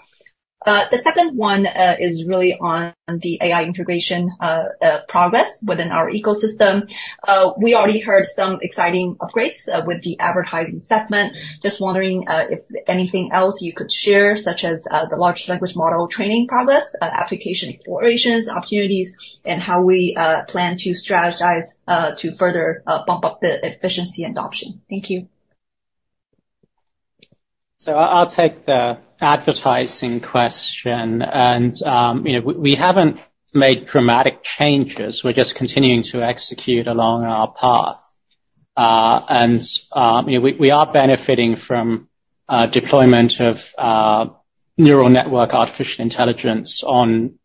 The second one is really on the AI integration progress within our ecosystem. We already heard some exciting upgrades with the advertising segment. Just wondering, if anything else you could share, such as, the large language model training progress, application explorations, opportunities, and how we plan to strategize to further bump up the efficiency and adoption. Thank you. So I'll take the advertising question. And, you know, we haven't made dramatic changes. We're just continuing to execute along our path. And, you know, we are benefiting from deployment of neural network artificial intelligence on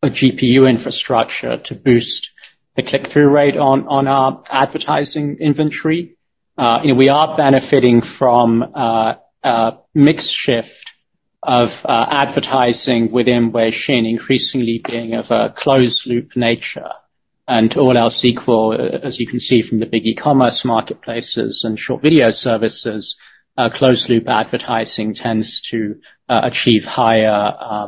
a GPU infrastructure to boost the click-through rate on our advertising inventory. And we are benefiting from a mix shift of advertising within Weixin, increasingly being of a closed-loop nature. And all else equal, as you can see from the big e-commerce marketplaces and short video services, closed-loop advertising tends to achieve higher,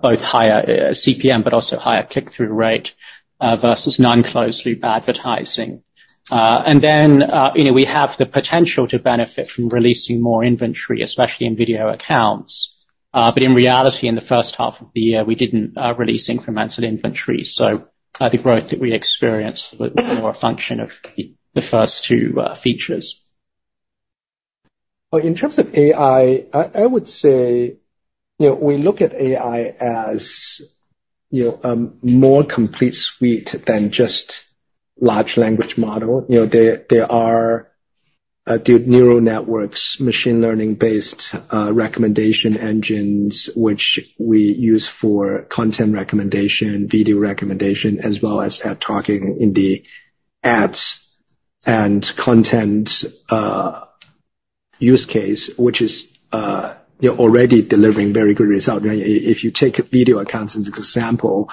both higher CPM, but also higher click-through rate versus non-closed-loop advertising. And then, you know, we have the potential to benefit from releasing more inventory, especially in video accounts. But in reality, in the first half of the year, we didn't release incremental inventory, so the growth that we experienced was more a function of the first two features. Well, in terms of AI, I would say, you know, we look at AI as, you know, more complete suite than just large language model. You know, there are neural networks, machine learning-based recommendation engines, which we use for content recommendation, video recommendation, as well as ad targeting in the ads and content use case, which is, you know, already delivering very good result. If you take Video Accounts as an example,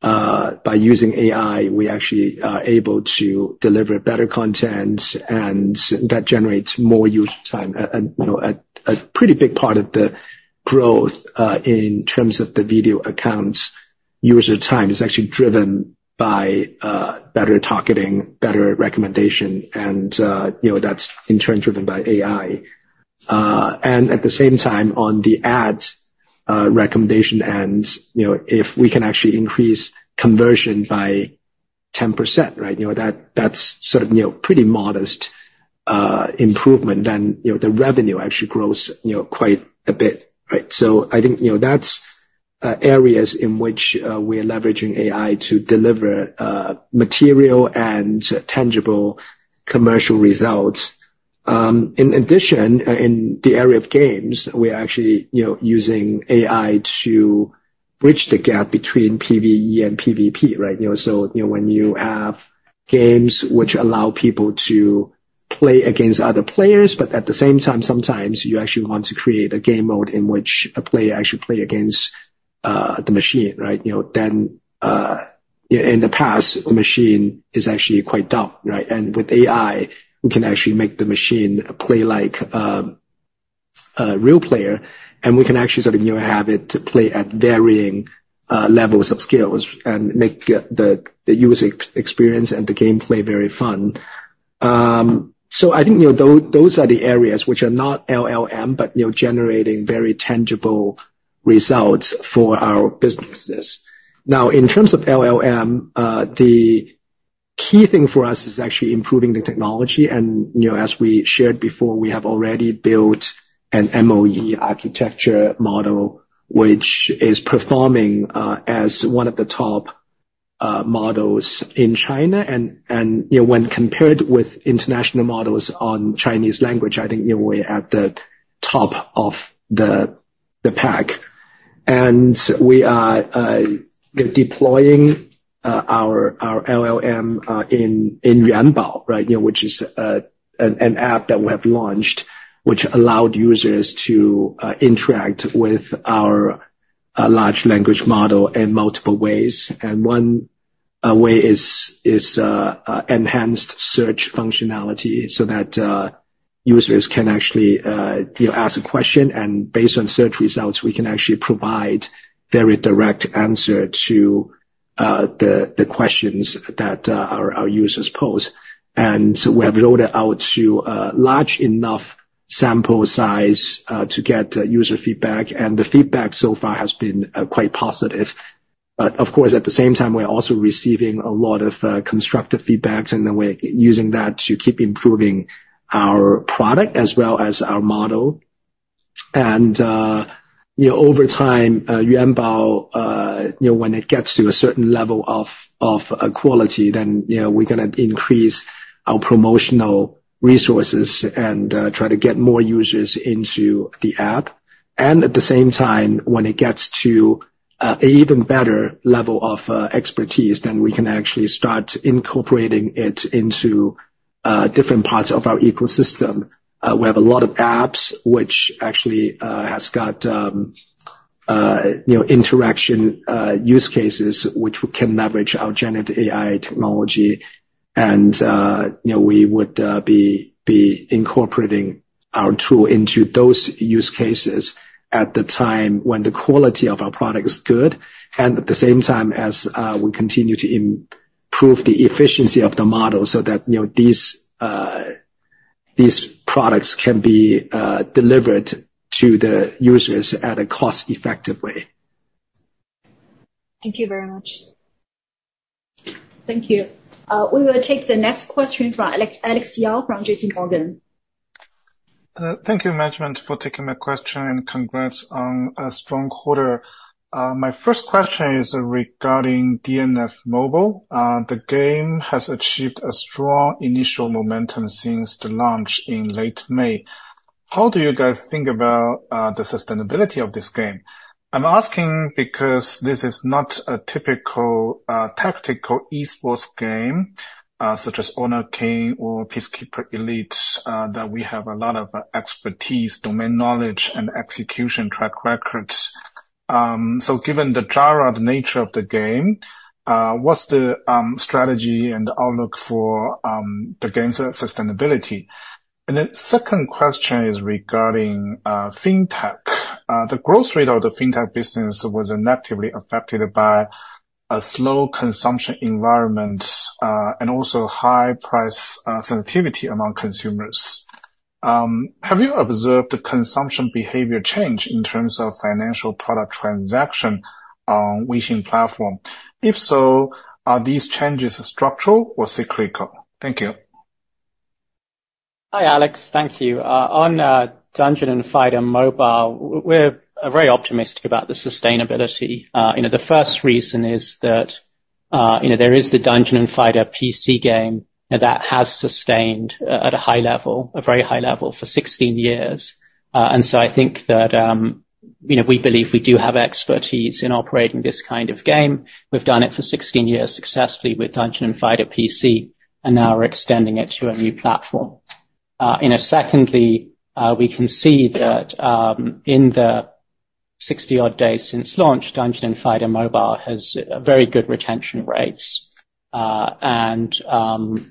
by using AI, we actually are able to deliver better content, and that generates more user time. And, you know, a pretty big part of the growth in terms of the Video Accounts user time is actually driven by better targeting, better recommendation, and, you know, that's in turn driven by AI. And at the same time, on the ads, recommendation engines, you know, if we can actually increase conversion by 10%, right? You know, that, that's sort of, you know, pretty modest improvement, then, you know, the revenue actually grows, you know, quite a bit, right? So I think, you know, that's areas in which we are leveraging AI to deliver material and tangible commercial results. In addition, in the area of games, we are actually, you know, using AI to bridge the gap between PVE and PVP, right? You know, so, you know, when you have games which allow people to play against other players, but at the same time, sometimes you actually want to create a game mode in which a player actually play against the machine, right? You know, then, in the past, the machine is actually quite dumb, right? And with AI, we can actually make the machine play like, a real player, and we can actually sort of, you know, have it to play at varying, levels of skills and make the, the user experience and the gameplay very fun. So I think, you know, those, those are the areas which are not LLM, but you know, generating very tangible results for our businesses. Now, in terms of LLM, the key thing for us is actually improving the technology. And, you know, as we shared before, we have already built an MoE architecture model, which is performing, as one of the top, models in China. And you know, when compared with international models on Chinese language, I think, you know, we're at the top of the pack. And we are deploying our LLM in Yuanbao, right? You know, which is an app that we have launched, which allowed users to interact with our large language model in multiple ways. And one way is enhanced search functionality, so that users can actually, you know, ask a question, and based on search results, we can actually provide very direct answer to the questions that our users pose. And we have rolled it out to a large enough sample size to get user feedback, and the feedback so far has been quite positive. But of course, at the same time, we're also receiving a lot of constructive feedbacks, and then we're using that to keep improving our product as well as our model. You know, over time, Yuanbao, you know, when it gets to a certain level of quality, then, you know, we're gonna increase our promotional resources and try to get more users into the app. And at the same time, when it gets to an even better level of expertise, then we can actually start incorporating it into different parts of our ecosystem. We have a lot of apps which actually has got you know, interaction use cases, which we can leverage our generative AI technology. You know, we would be incorporating our tool into those use cases at the time when the quality of our product is good, and at the same time, as we continue to improve the efficiency of the model so that, you know, these products can be delivered to the users at a cost-effective way. Thank you very much. Thank you. We will take the next question from Alex- Alex Yao from J.P. Morgan. Thank you, management, for taking my question, and congrats on a strong quarter. My first question is regarding DNF Mobile. The game has achieved a strong initial momentum since the launch in late May. How do you guys think about the sustainability of this game? I'm asking because this is not a typical tactical e-sports game, such as Honor of Kings or Peacekeeper Elite, that we have a lot of expertise, domain knowledge and execution track records. So given the genre, the nature of the game, what's the strategy and outlook for the game's sustainability? Then second question is regarding Fintech. The growth rate of the Fintech business was negatively affected by a slow consumption environment and also high price sensitivity among consumers. Have you observed the consumption behavior change in terms of financial product transaction on Weixin platform? If so, are these changes structural or cyclical? Thank you. Hi, Alex. Thank you. On Dungeon & Fighter Mobile, we're very optimistic about the sustainability. You know, the first reason is that, you know, there is the Dungeon & Fighter PC game that has sustained at a high level, a very high level, for 16 years. And so I think that, you know, we believe we do have expertise in operating this kind of game. We've done it for 16 years successfully with Dungeon & Fighter PC, and now we're extending it to a new platform. And then secondly, we can see that, in the 60-odd days since launch, Dungeon & Fighter Mobile has very good retention rates. And, you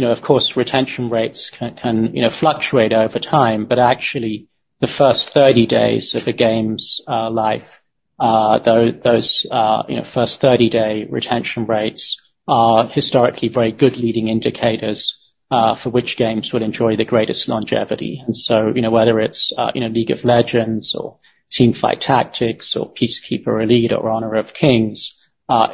know, of course, retention rates can, you know, fluctuate over time, but actually, the first 30 days of the game's, life-... though those, you know, first 30-day retention rates are historically very good leading indicators, for which games would enjoy the greatest longevity. And so, you know, whether it's, you know, League of Legends or Teamfight Tactics or Peacekeeper Elite or Honor of Kings,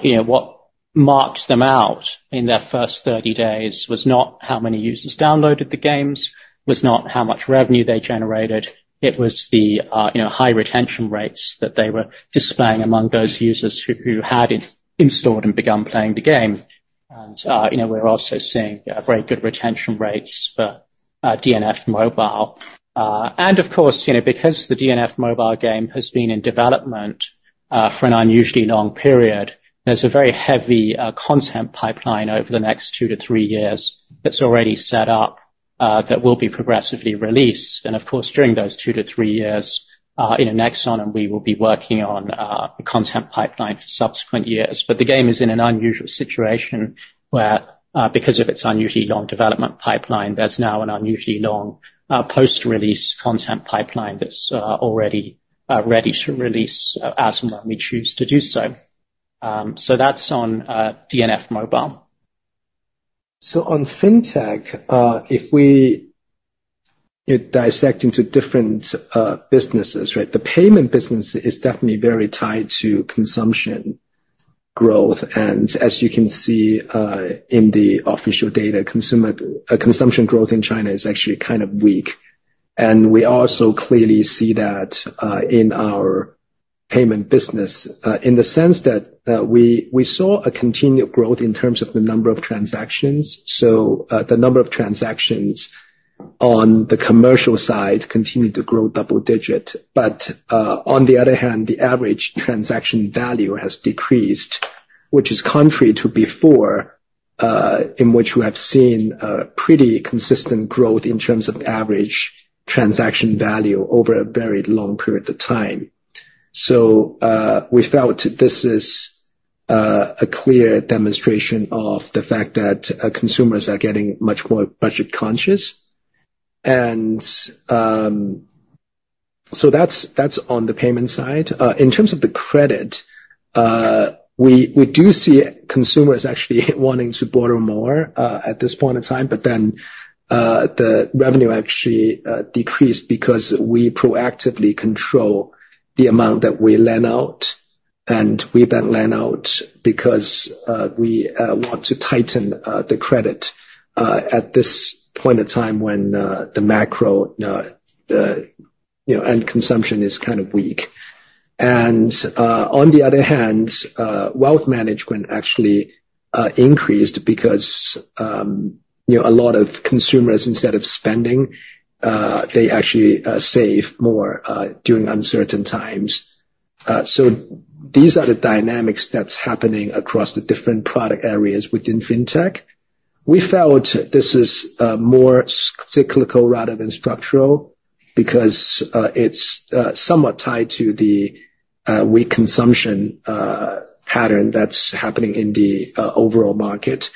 you know, what marks them out in their first 30 days was not how many users downloaded the games, was not how much revenue they generated, it was the, you know, high retention rates that they were displaying among those users who had it installed and begun playing the game. And, you know, we're also seeing, very good retention rates for, DNF Mobile. And of course, you know, because the DNF Mobile game has been in development for an unusually long period, there's a very heavy content pipeline over the next 2-3 years that's already set up that will be progressively released. And of course, during those 2-3 years, in Nexon, and we will be working on the content pipeline for subsequent years. But the game is in an unusual situation where, because of its unusually long development pipeline, there's now an unusually long post-release content pipeline that's already ready to release as and when we choose to do so. So that's on DNF Mobile. So on Fintech, if we dissect it into different businesses, right? The payment business is definitely very tied to consumption growth. And as you can see, in the official data, consumption growth in China is actually kind of weak. And we also clearly see that, in our payment business, in the sense that, we saw a continued growth in terms of the number of transactions. So, the number of transactions on the commercial side continued to grow double digit. But, on the other hand, the average transaction value has decreased, which is contrary to before, in which we have seen a pretty consistent growth in terms of average transaction value over a very long period of time. So, we felt this is a clear demonstration of the fact that consumers are getting much more budget conscious. And, so that's, that's on the payment side. In terms of the credit, we do see consumers actually wanting to borrow more at this point in time, but then the revenue actually decreased because we proactively control the amount that we lend out, and we then lend out because we want to tighten the credit at this point in time when the macro, you know, and consumption is kind of weak. And, on the other hand, wealth management actually increased because, you know, a lot of consumers, instead of spending, they actually save more during uncertain times. So these are the dynamics that's happening across the different product areas within Fintech. We felt this is more cyclical rather than structural, because it's somewhat tied to the weak consumption pattern that's happening in the overall market.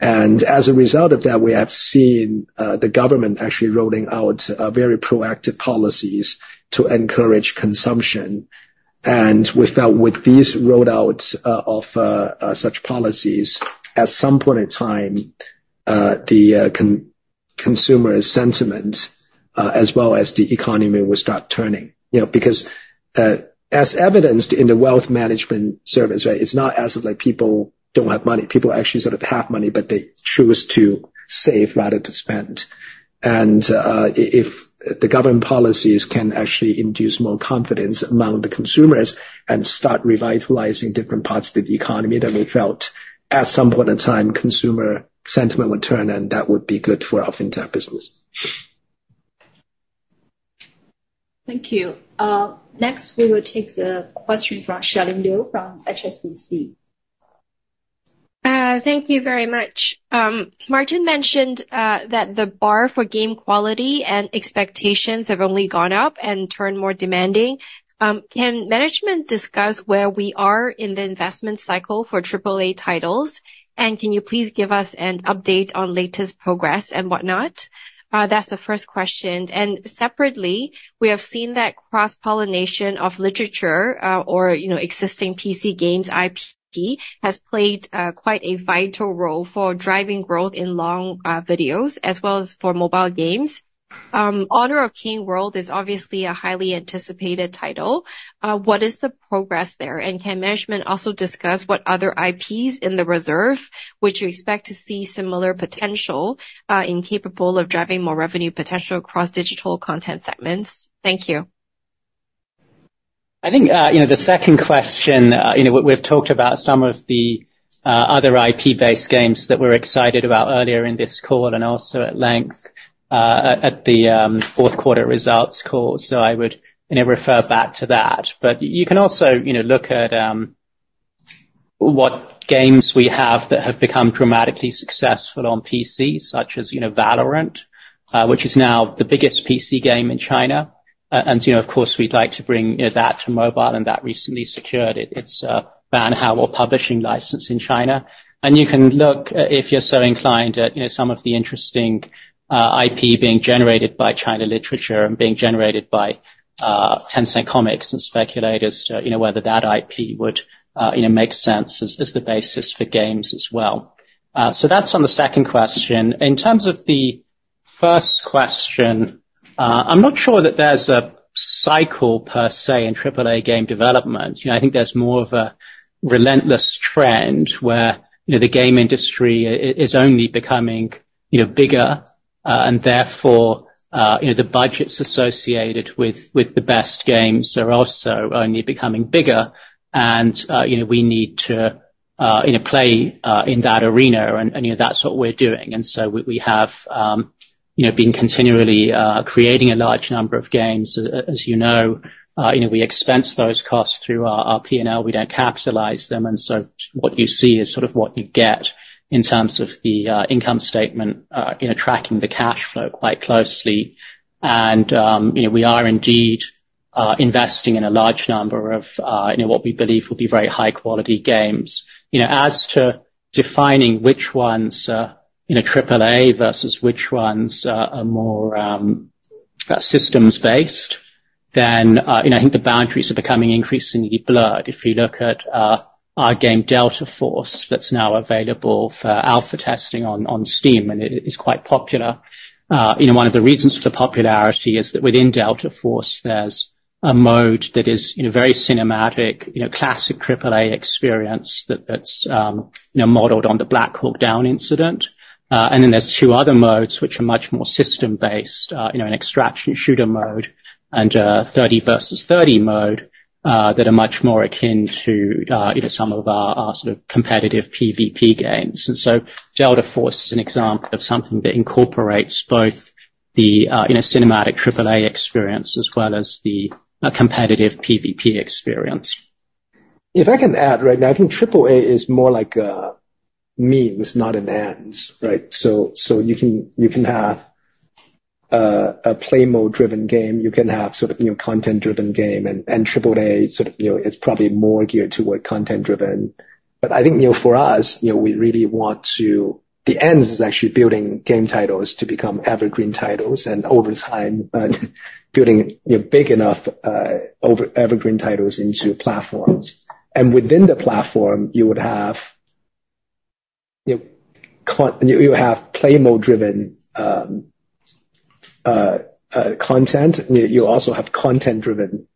And as a result of that, we have seen the government actually rolling out very proactive policies to encourage consumption. And we felt with these rollouts of such policies, at some point in time, the consumer sentiment as well as the economy will start turning. You know, because as evidenced in the wealth management service, right, it's not as if like people don't have money. People actually sort of have money, but they choose to save rather than spend. If the government policies can actually induce more confidence among the consumers and start revitalizing different parts of the economy, then we felt at some point in time, consumer sentiment would turn, and that would be good for our FinTech business. Thank you. Next, we will take the question from Shelly Liu from HSBC. Thank you very much. Martin mentioned that the bar for game quality and expectations have only gone up and turned more demanding. Can management discuss where we are in the investment cycle for Triple-A titles? And can you please give us an update on latest progress and whatnot? That's the first question. And separately, we have seen that cross-pollination of literature, or, you know, existing PC games IP, has played quite a vital role for driving growth in long videos, as well as for mobile games. Honor of Kings: World is obviously a highly anticipated title. What is the progress there? And can management also discuss what other IPs in the reserve, which you expect to see similar potential in capable of driving more revenue potential across digital content segments? Thank you. I think, you know, the second question, you know, we've talked about some of the other IP-based games that we're excited about earlier in this call and also at length, at the fourth quarter results call. So I would, you know, refer back to that. But you can also, you know, look at what games we have that have become dramatically successful on PC, such as, you know, Valorant, which is now the biggest PC game in China. And, you know, of course, we'd like to bring, you know, that to mobile, and that recently secured its Banhao or publishing license in China. And you can look, if you're so inclined, at, you know, some of the interesting... IP being generated by China Literature and being generated by, Tencent Comics, and speculate as to, you know, whether that IP would, you know, make sense as, as the basis for games as well. So that's on the second question. In terms of the first question, I'm not sure that there's a cycle per se in triple-A game development. You know, I think there's more of a relentless trend where, you know, the game industry is only becoming, you know, bigger, and therefore, you know, the budgets associated with, with the best games are also only becoming bigger. You know, we need to, you know, play in that arena, and, you know, that's what we're doing. And so we, we have, you know, been continually creating a large number of games. As you know, you know, we expense those costs through our P&L, we don't capitalize them, and so what you see is sort of what you get in terms of the income statement, you know, tracking the cash flow quite closely. And, you know, we are indeed investing in a large number of, you know, what we believe will be very high-quality games. You know, as to defining which ones are, you know, triple-A versus which ones are, more, systems-based, then, you know, I think the boundaries are becoming increasingly blurred. If you look at our game, Delta Force, that's now available for alpha testing on Steam, and it's quite popular. You know, one of the reasons for the popularity is that within Delta Force, there's a mode that is, you know, very cinematic, you know, classic Triple-A experience, that's, you know, modeled on the Black Hawk Down incident. And then there's two other modes which are much more system-based, you know, an extraction shooter mode and a 30 versus 30 mode, that are much more akin to, you know, some of our, our sort of competitive PVP games. And so Delta Force is an example of something that incorporates both the, you know, cinematic Triple-A experience as well as the, competitive PVP experience. If I can add right now, I think Triple-A is more like a means, not an end, right? So you can have a play mode-driven game, you can have sort of, you know, content-driven game, and triple-A sort of, you know, is probably more geared toward content-driven. But I think, you know, for us, you know, we really want to... the end is actually building game titles to become evergreen titles, and over time, building, you know, big enough over evergreen titles into platforms. And within the platform, you would have, you know, content, you have play mode-driven content, you also have content-driven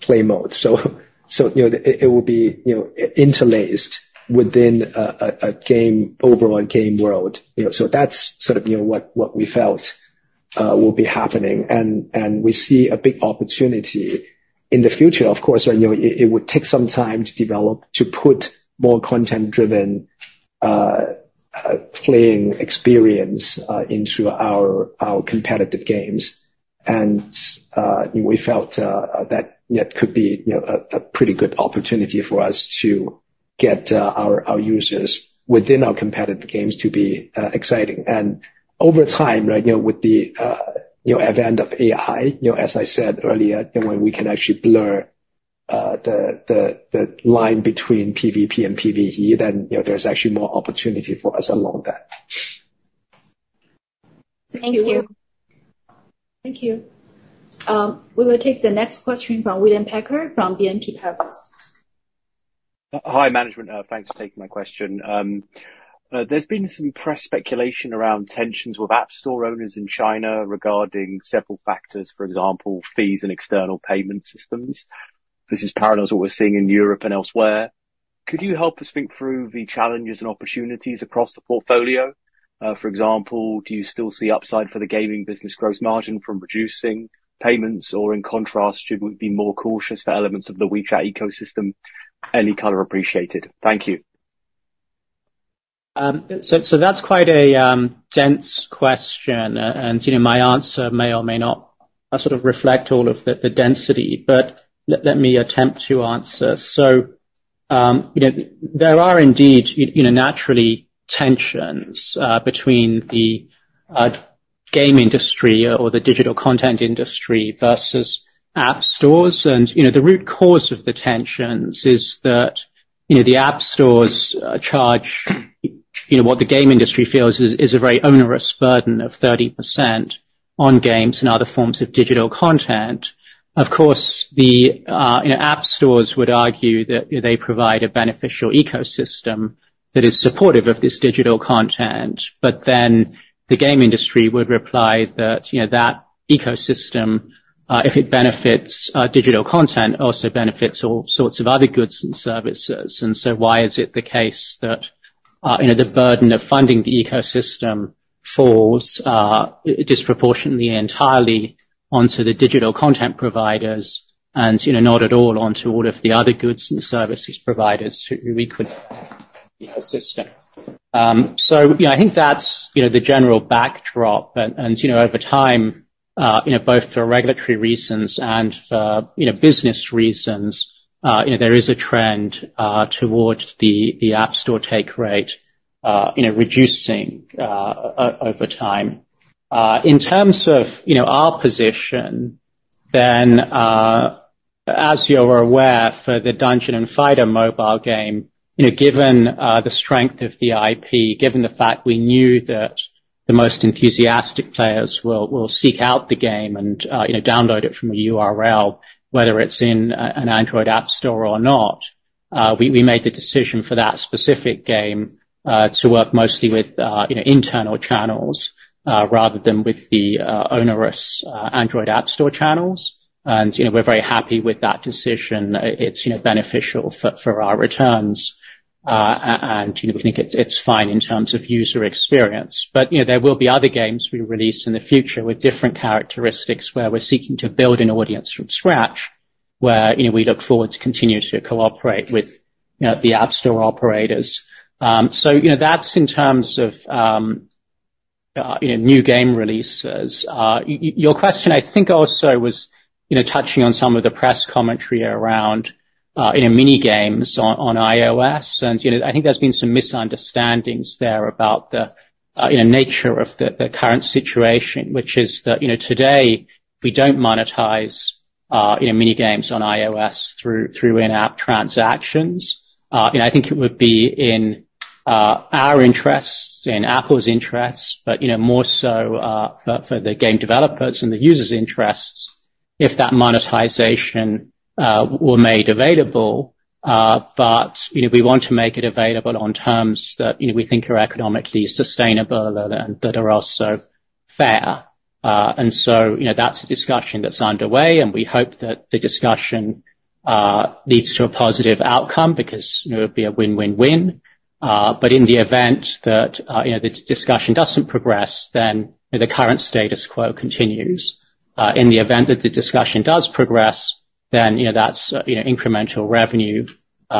play mode. So, you know, it will be, you know, interlaced within a game, overall game world. You know, so that's sort of, you know, what we felt will be happening, and we see a big opportunity in the future. Of course, you know, it would take some time to develop, to put more content-driven playing experience into our competitive games. And we felt that it could be, you know, a pretty good opportunity for us to get our users within our competitive games to be exciting. And over time, right, you know, with the advent of AI, you know, as I said earlier, when we can actually blur the line between PVP and PVE, then, you know, there's actually more opportunity for us along that. Thank you. Thank you. We will take the next question from William Packer, from BNP Paribas. Hi, management. Thanks for taking my question. There's been some press speculation around tensions with app store owners in China regarding several factors, for example, fees and external payment systems. This is parallel to what we're seeing in Europe and elsewhere. Could you help us think through the challenges and opportunities across the portfolio? For example, do you still see upside for the gaming business gross margin from reducing payments, or in contrast, should we be more cautious to elements of the WeChat ecosystem? Any color appreciated. Thank you. So that's quite a dense question, and you know, my answer may or may not sort of reflect all of the density, but let me attempt to answer. So you know, there are indeed you know, naturally, tensions between the game industry or the digital content industry versus app stores. And you know, the root cause of the tensions is that you know, the app stores charge you know, what the game industry feels is a very onerous burden of 30% on games and other forms of digital content. Of course, the, you know, app stores would argue that they provide a beneficial ecosystem that is supportive of this digital content, but then the game industry would reply that, you know, that ecosystem, if it benefits digital content, also benefits all sorts of other goods and services. So why is it the case that, you know, the burden of funding the ecosystem falls disproportionately entirely onto the digital content providers and, you know, not at all onto all of the other goods and services providers who we could ecosystem? So, you know, I think that's, you know, the general backdrop, and you know, over time, both for regulatory reasons and for business reasons, you know, there is a trend towards the app store take rate, you know, reducing over time. As you are aware, for the Dungeon and Fighter mobile game, you know, given the strength of the IP, given the fact we knew that the most enthusiastic players will seek out the game and, you know, download it from a URL, whether it's in an Android app store or not, we made the decision for that specific game to work mostly with, you know, internal channels rather than with the onerous Android app store channels. And, you know, we're very happy with that decision. It's, you know, beneficial for our returns. And, you know, we think it's fine in terms of user experience. But, you know, there will be other games we release in the future with different characteristics, where we're seeking to build an audience from scratch, where, you know, we look forward to continue to cooperate with, you know, the App Store operators. So, you know, that's in terms of, you know, new game releases. Your question, I think, also was, you know, touching on some of the press commentary around, you know, mini games on iOS. You know, I think there's been some misunderstandings there about the, you know, nature of the current situation, which is that, you know, today, we don't monetize, you know, mini games on iOS through in-app transactions. And I think it would be in our interests, in Apple's interests, but, you know, more so for the game developers and the users' interests if that monetization were made available. But, you know, we want to make it available on terms that, you know, we think are economically sustainable and that are also fair. And so, you know, that's a discussion that's underway, and we hope that the discussion leads to a positive outcome, because, you know, it'll be a win-win-win. But in the event that, you know, the discussion doesn't progress, then the current status quo continues. In the event that the discussion does progress, then, you know, that's, you know, incremental revenue,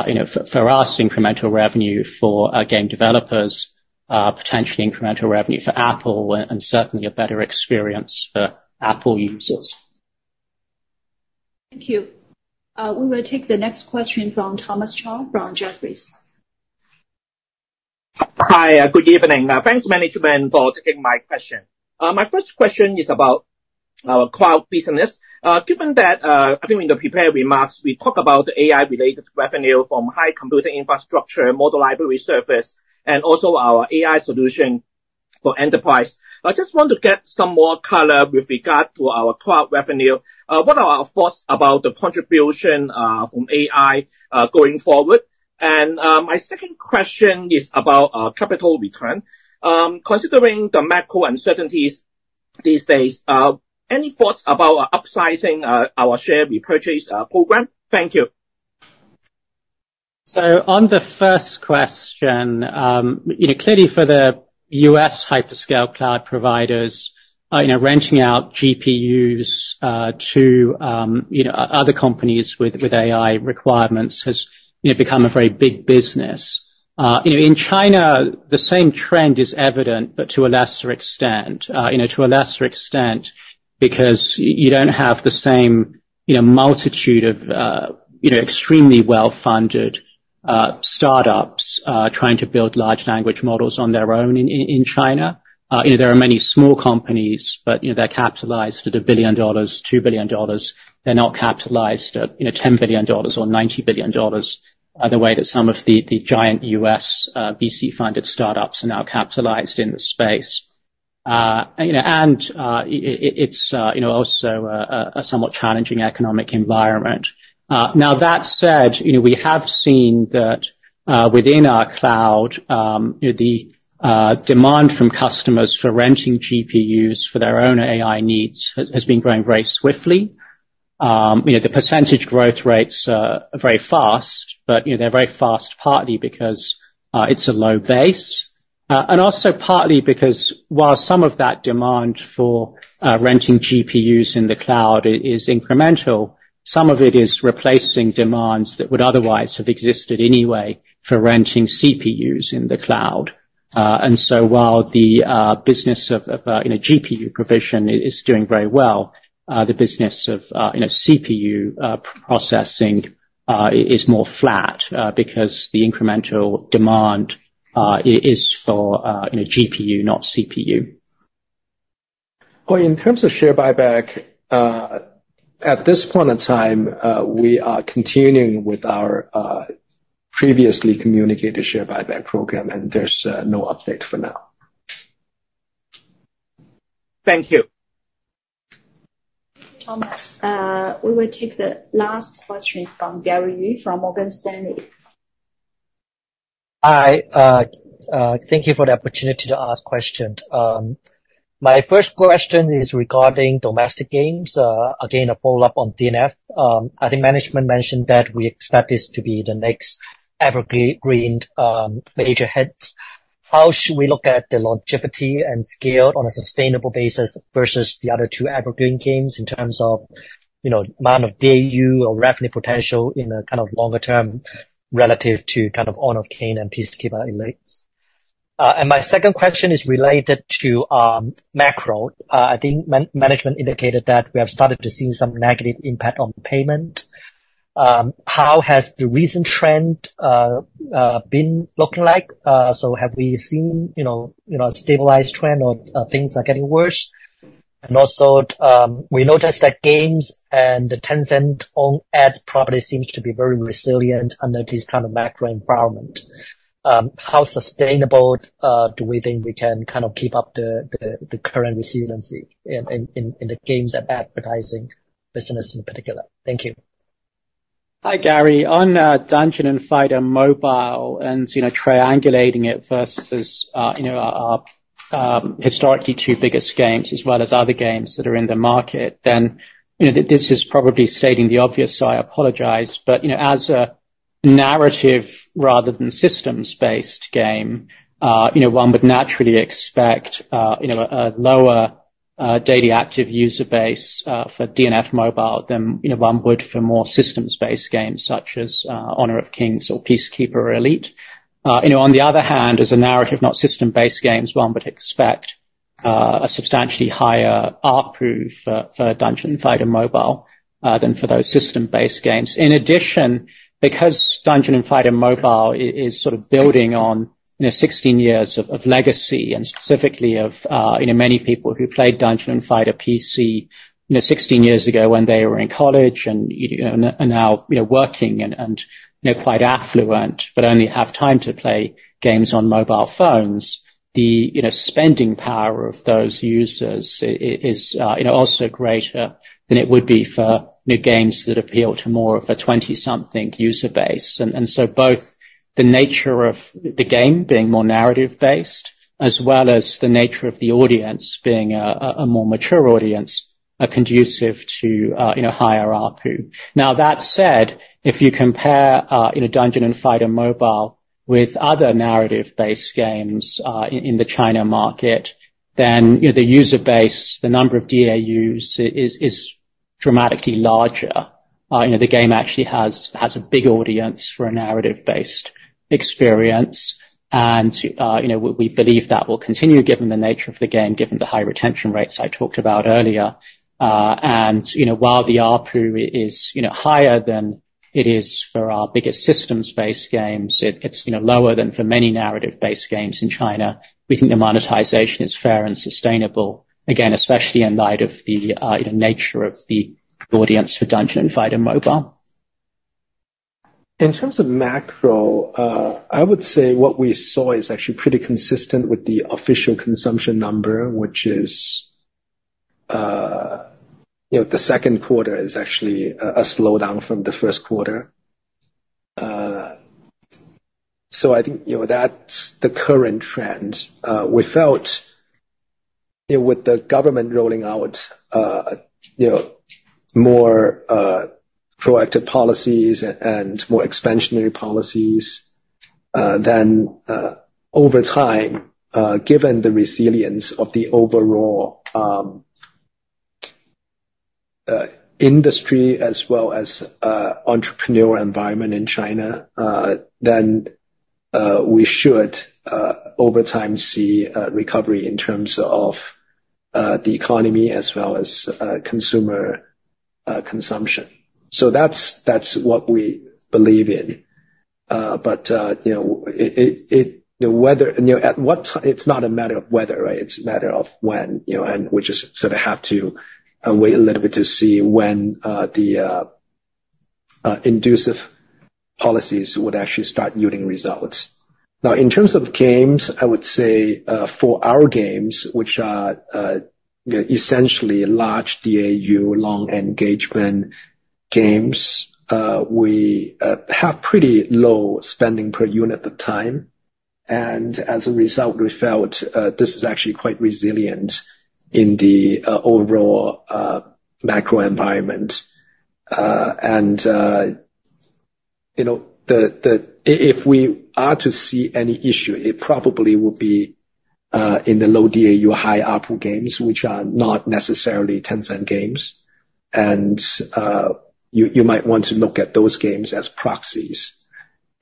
you know, for, for us, incremental revenue for our game developers, potentially incremental revenue for Apple, and certainly a better experience for Apple users. Thank you. We will take the next question from Thomas Chong, from Jefferies. Hi, good evening. Thanks, management, for taking my question. My first question is about our cloud business. Given that, I think in the prepared remarks, we talk about AI-related revenue from high computer infrastructure, model library service, and also our AI solution for enterprise. I just want to get some more color with regard to our cloud revenue. What are our thoughts about the contribution from AI going forward? My second question is about capital return. Considering the macro uncertainties these days, any thoughts about upsizing our share repurchase program? Thank you. So on the first question, you know, clearly for the U.S. hyperscale cloud providers, you know, renting out GPUs, to, you know, other companies with, with AI requirements has, you know, become a very big business. You know, in China, the same trend is evident, but to a lesser extent. You know, to a lesser extent, because you don't have the same, you know, multitude of, you know, extremely well-funded, startups, trying to build large language models on their own in China. You know, there are many small companies, but, you know, they're capitalized at $1 billion, $2 billion. They're not capitalized at, you know, $10 billion or $90 billion, the way that some of the, the giant U.S., VC-funded startups are now capitalized in the space. It's, you know, also a somewhat challenging economic environment. Now, that said, you know, we have seen that within our cloud, you know, the demand from customers for renting GPUs for their own AI needs has been growing very swiftly. You know, the percentage growth rates are very fast, but, you know, they're very fast partly because it's a low base, and also partly because while some of that demand for renting GPUs in the cloud is incremental, some of it is replacing demands that would otherwise have existed anyway for renting CPUs in the cloud. And so while the business of you know, GPU provision is doing very well, the business of you know, CPU processing is more flat, because the incremental demand is for you know, GPU, not CPU. Well, in terms of share buyback, at this point in time, we are continuing with our previously communicated share buyback program, and there's no update for now. Thank you. Thank you, Thomas. We will take the last question from Gary Yu from Morgan Stanley. Hi, thank you for the opportunity to ask questions. My first question is regarding domestic games. Again, a follow-up on DNF. I think management mentioned that we expect this to be the next evergreen major hit. How should we look at the longevity and scale on a sustainable basis versus the other two evergreen games in terms of, you know, amount of DAU or revenue potential in a kind of longer term relative to kind of Honor of Kings and Peacekeeper Elite? And my second question is related to macro. I think management indicated that we have started to see some negative impact on payment.... How has the recent trend been looking like? So have we seen, you know, you know, a stabilized trend or, things are getting worse? And also, we noticed that games and the Tencent-owned ads property seems to be very resilient under this kind of macro environment. How sustainable do we think we can kind of keep up the the current resiliency in the games and advertising business in particular? Thank you. Hi, Gary. On Dungeon and Fighter Mobile and, you know, triangulating it versus, you know, our historically two biggest games, as well as other games that are in the market, then, you know, this is probably stating the obvious, so I apologize. But, you know, as a narrative rather than systems-based game, you know, one would naturally expect, you know, a lower daily active user base for DNF Mobile than, you know, one would for more systems-based games such as Honor of Kings or Peacekeeper Elite. You know, on the other hand, as a narrative not system-based games, one would expect a substantially higher ARPU for Dungeon Fighter Mobile than for those system-based games. In addition, because Dungeon and Fighter Mobile is sort of building on, you know, 16 years of legacy, and specifically of, you know, many people who played Dungeon and Fighter PC, you know, 16 years ago when they were in college and, you know, are now, you know, working and, you know, quite affluent, but only have time to play games on mobile phones, the, you know, spending power of those users is, you know, also greater than it would be for new games that appeal to more of a twenty-something user base. And so both the nature of the game being more narrative-based, as well as the nature of the audience being a more mature audience, are conducive to, you know, higher ARPU. Now, that said, if you compare, you know, Dungeon and Fighter Mobile with other narrative-based games, in the China market, then, you know, the user base, the number of DAUs is dramatically larger. You know, the game actually has a big audience for a narrative-based experience. And, you know, we believe that will continue, given the nature of the game, given the high retention rates I talked about earlier. And, you know, while the ARPU is, you know, higher than it is for our biggest systems-based games, it's, you know, lower than for many narrative-based games in China. We think the monetization is fair and sustainable, again, especially in light of the, you know, nature of the audience for Dungeon and Fighter Mobile. In terms of macro, I would say what we saw is actually pretty consistent with the official consumption number, which is, you know, the second quarter is actually a slowdown from the first quarter. So I think, you know, that's the current trend. We felt, you know, with the government rolling out, you know, more proactive policies and more expansionary policies, then, over time, given the resilience of the overall industry as well as entrepreneurial environment in China, then, we should, over time, see a recovery in terms of the economy as well as consumer consumption. So that's what we believe in. But, you know, it... Whether-- you know, at what ti- It's not a matter of whether, right? It's a matter of when, you know, and we just sort of have to wait a little bit to see when the inducive policies would actually start yielding results. Now, in terms of games, I would say, for our games, which are essentially large DAU, long engagement games, we have pretty low spending per unit at the time. And as a result, we felt this is actually quite resilient in the overall macro environment. And you know, if we are to see any issue, it probably would be in the low DAU, high ARPU games, which are not necessarily Tencent games, and you might want to look at those games as proxies.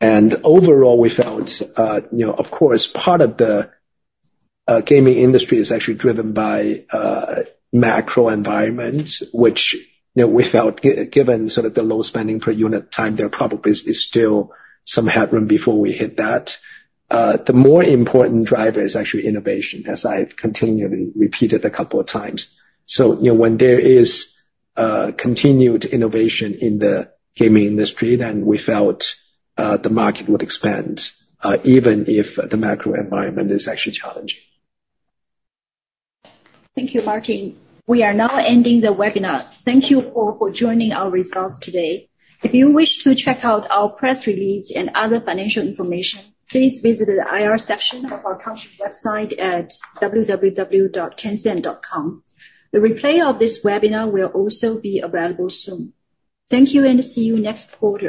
Overall, we felt, you know, of course, part of the gaming industry is actually driven by macro environment, which, you know, we felt given sort of the low spending per unit time, there probably is still some headroom before we hit that. The more important driver is actually innovation, as I've continually repeated a couple of times. So, you know, when there is continued innovation in the gaming industry, then we felt the market would expand even if the macro environment is actually challenging. Thank you, Martin. We are now ending the webinar. Thank you all for joining our results today. If you wish to check out our press release and other financial information, please visit the IR section of our company website at www.tencent.com. The replay of this webinar will also be available soon. Thank you, and see you next quarter.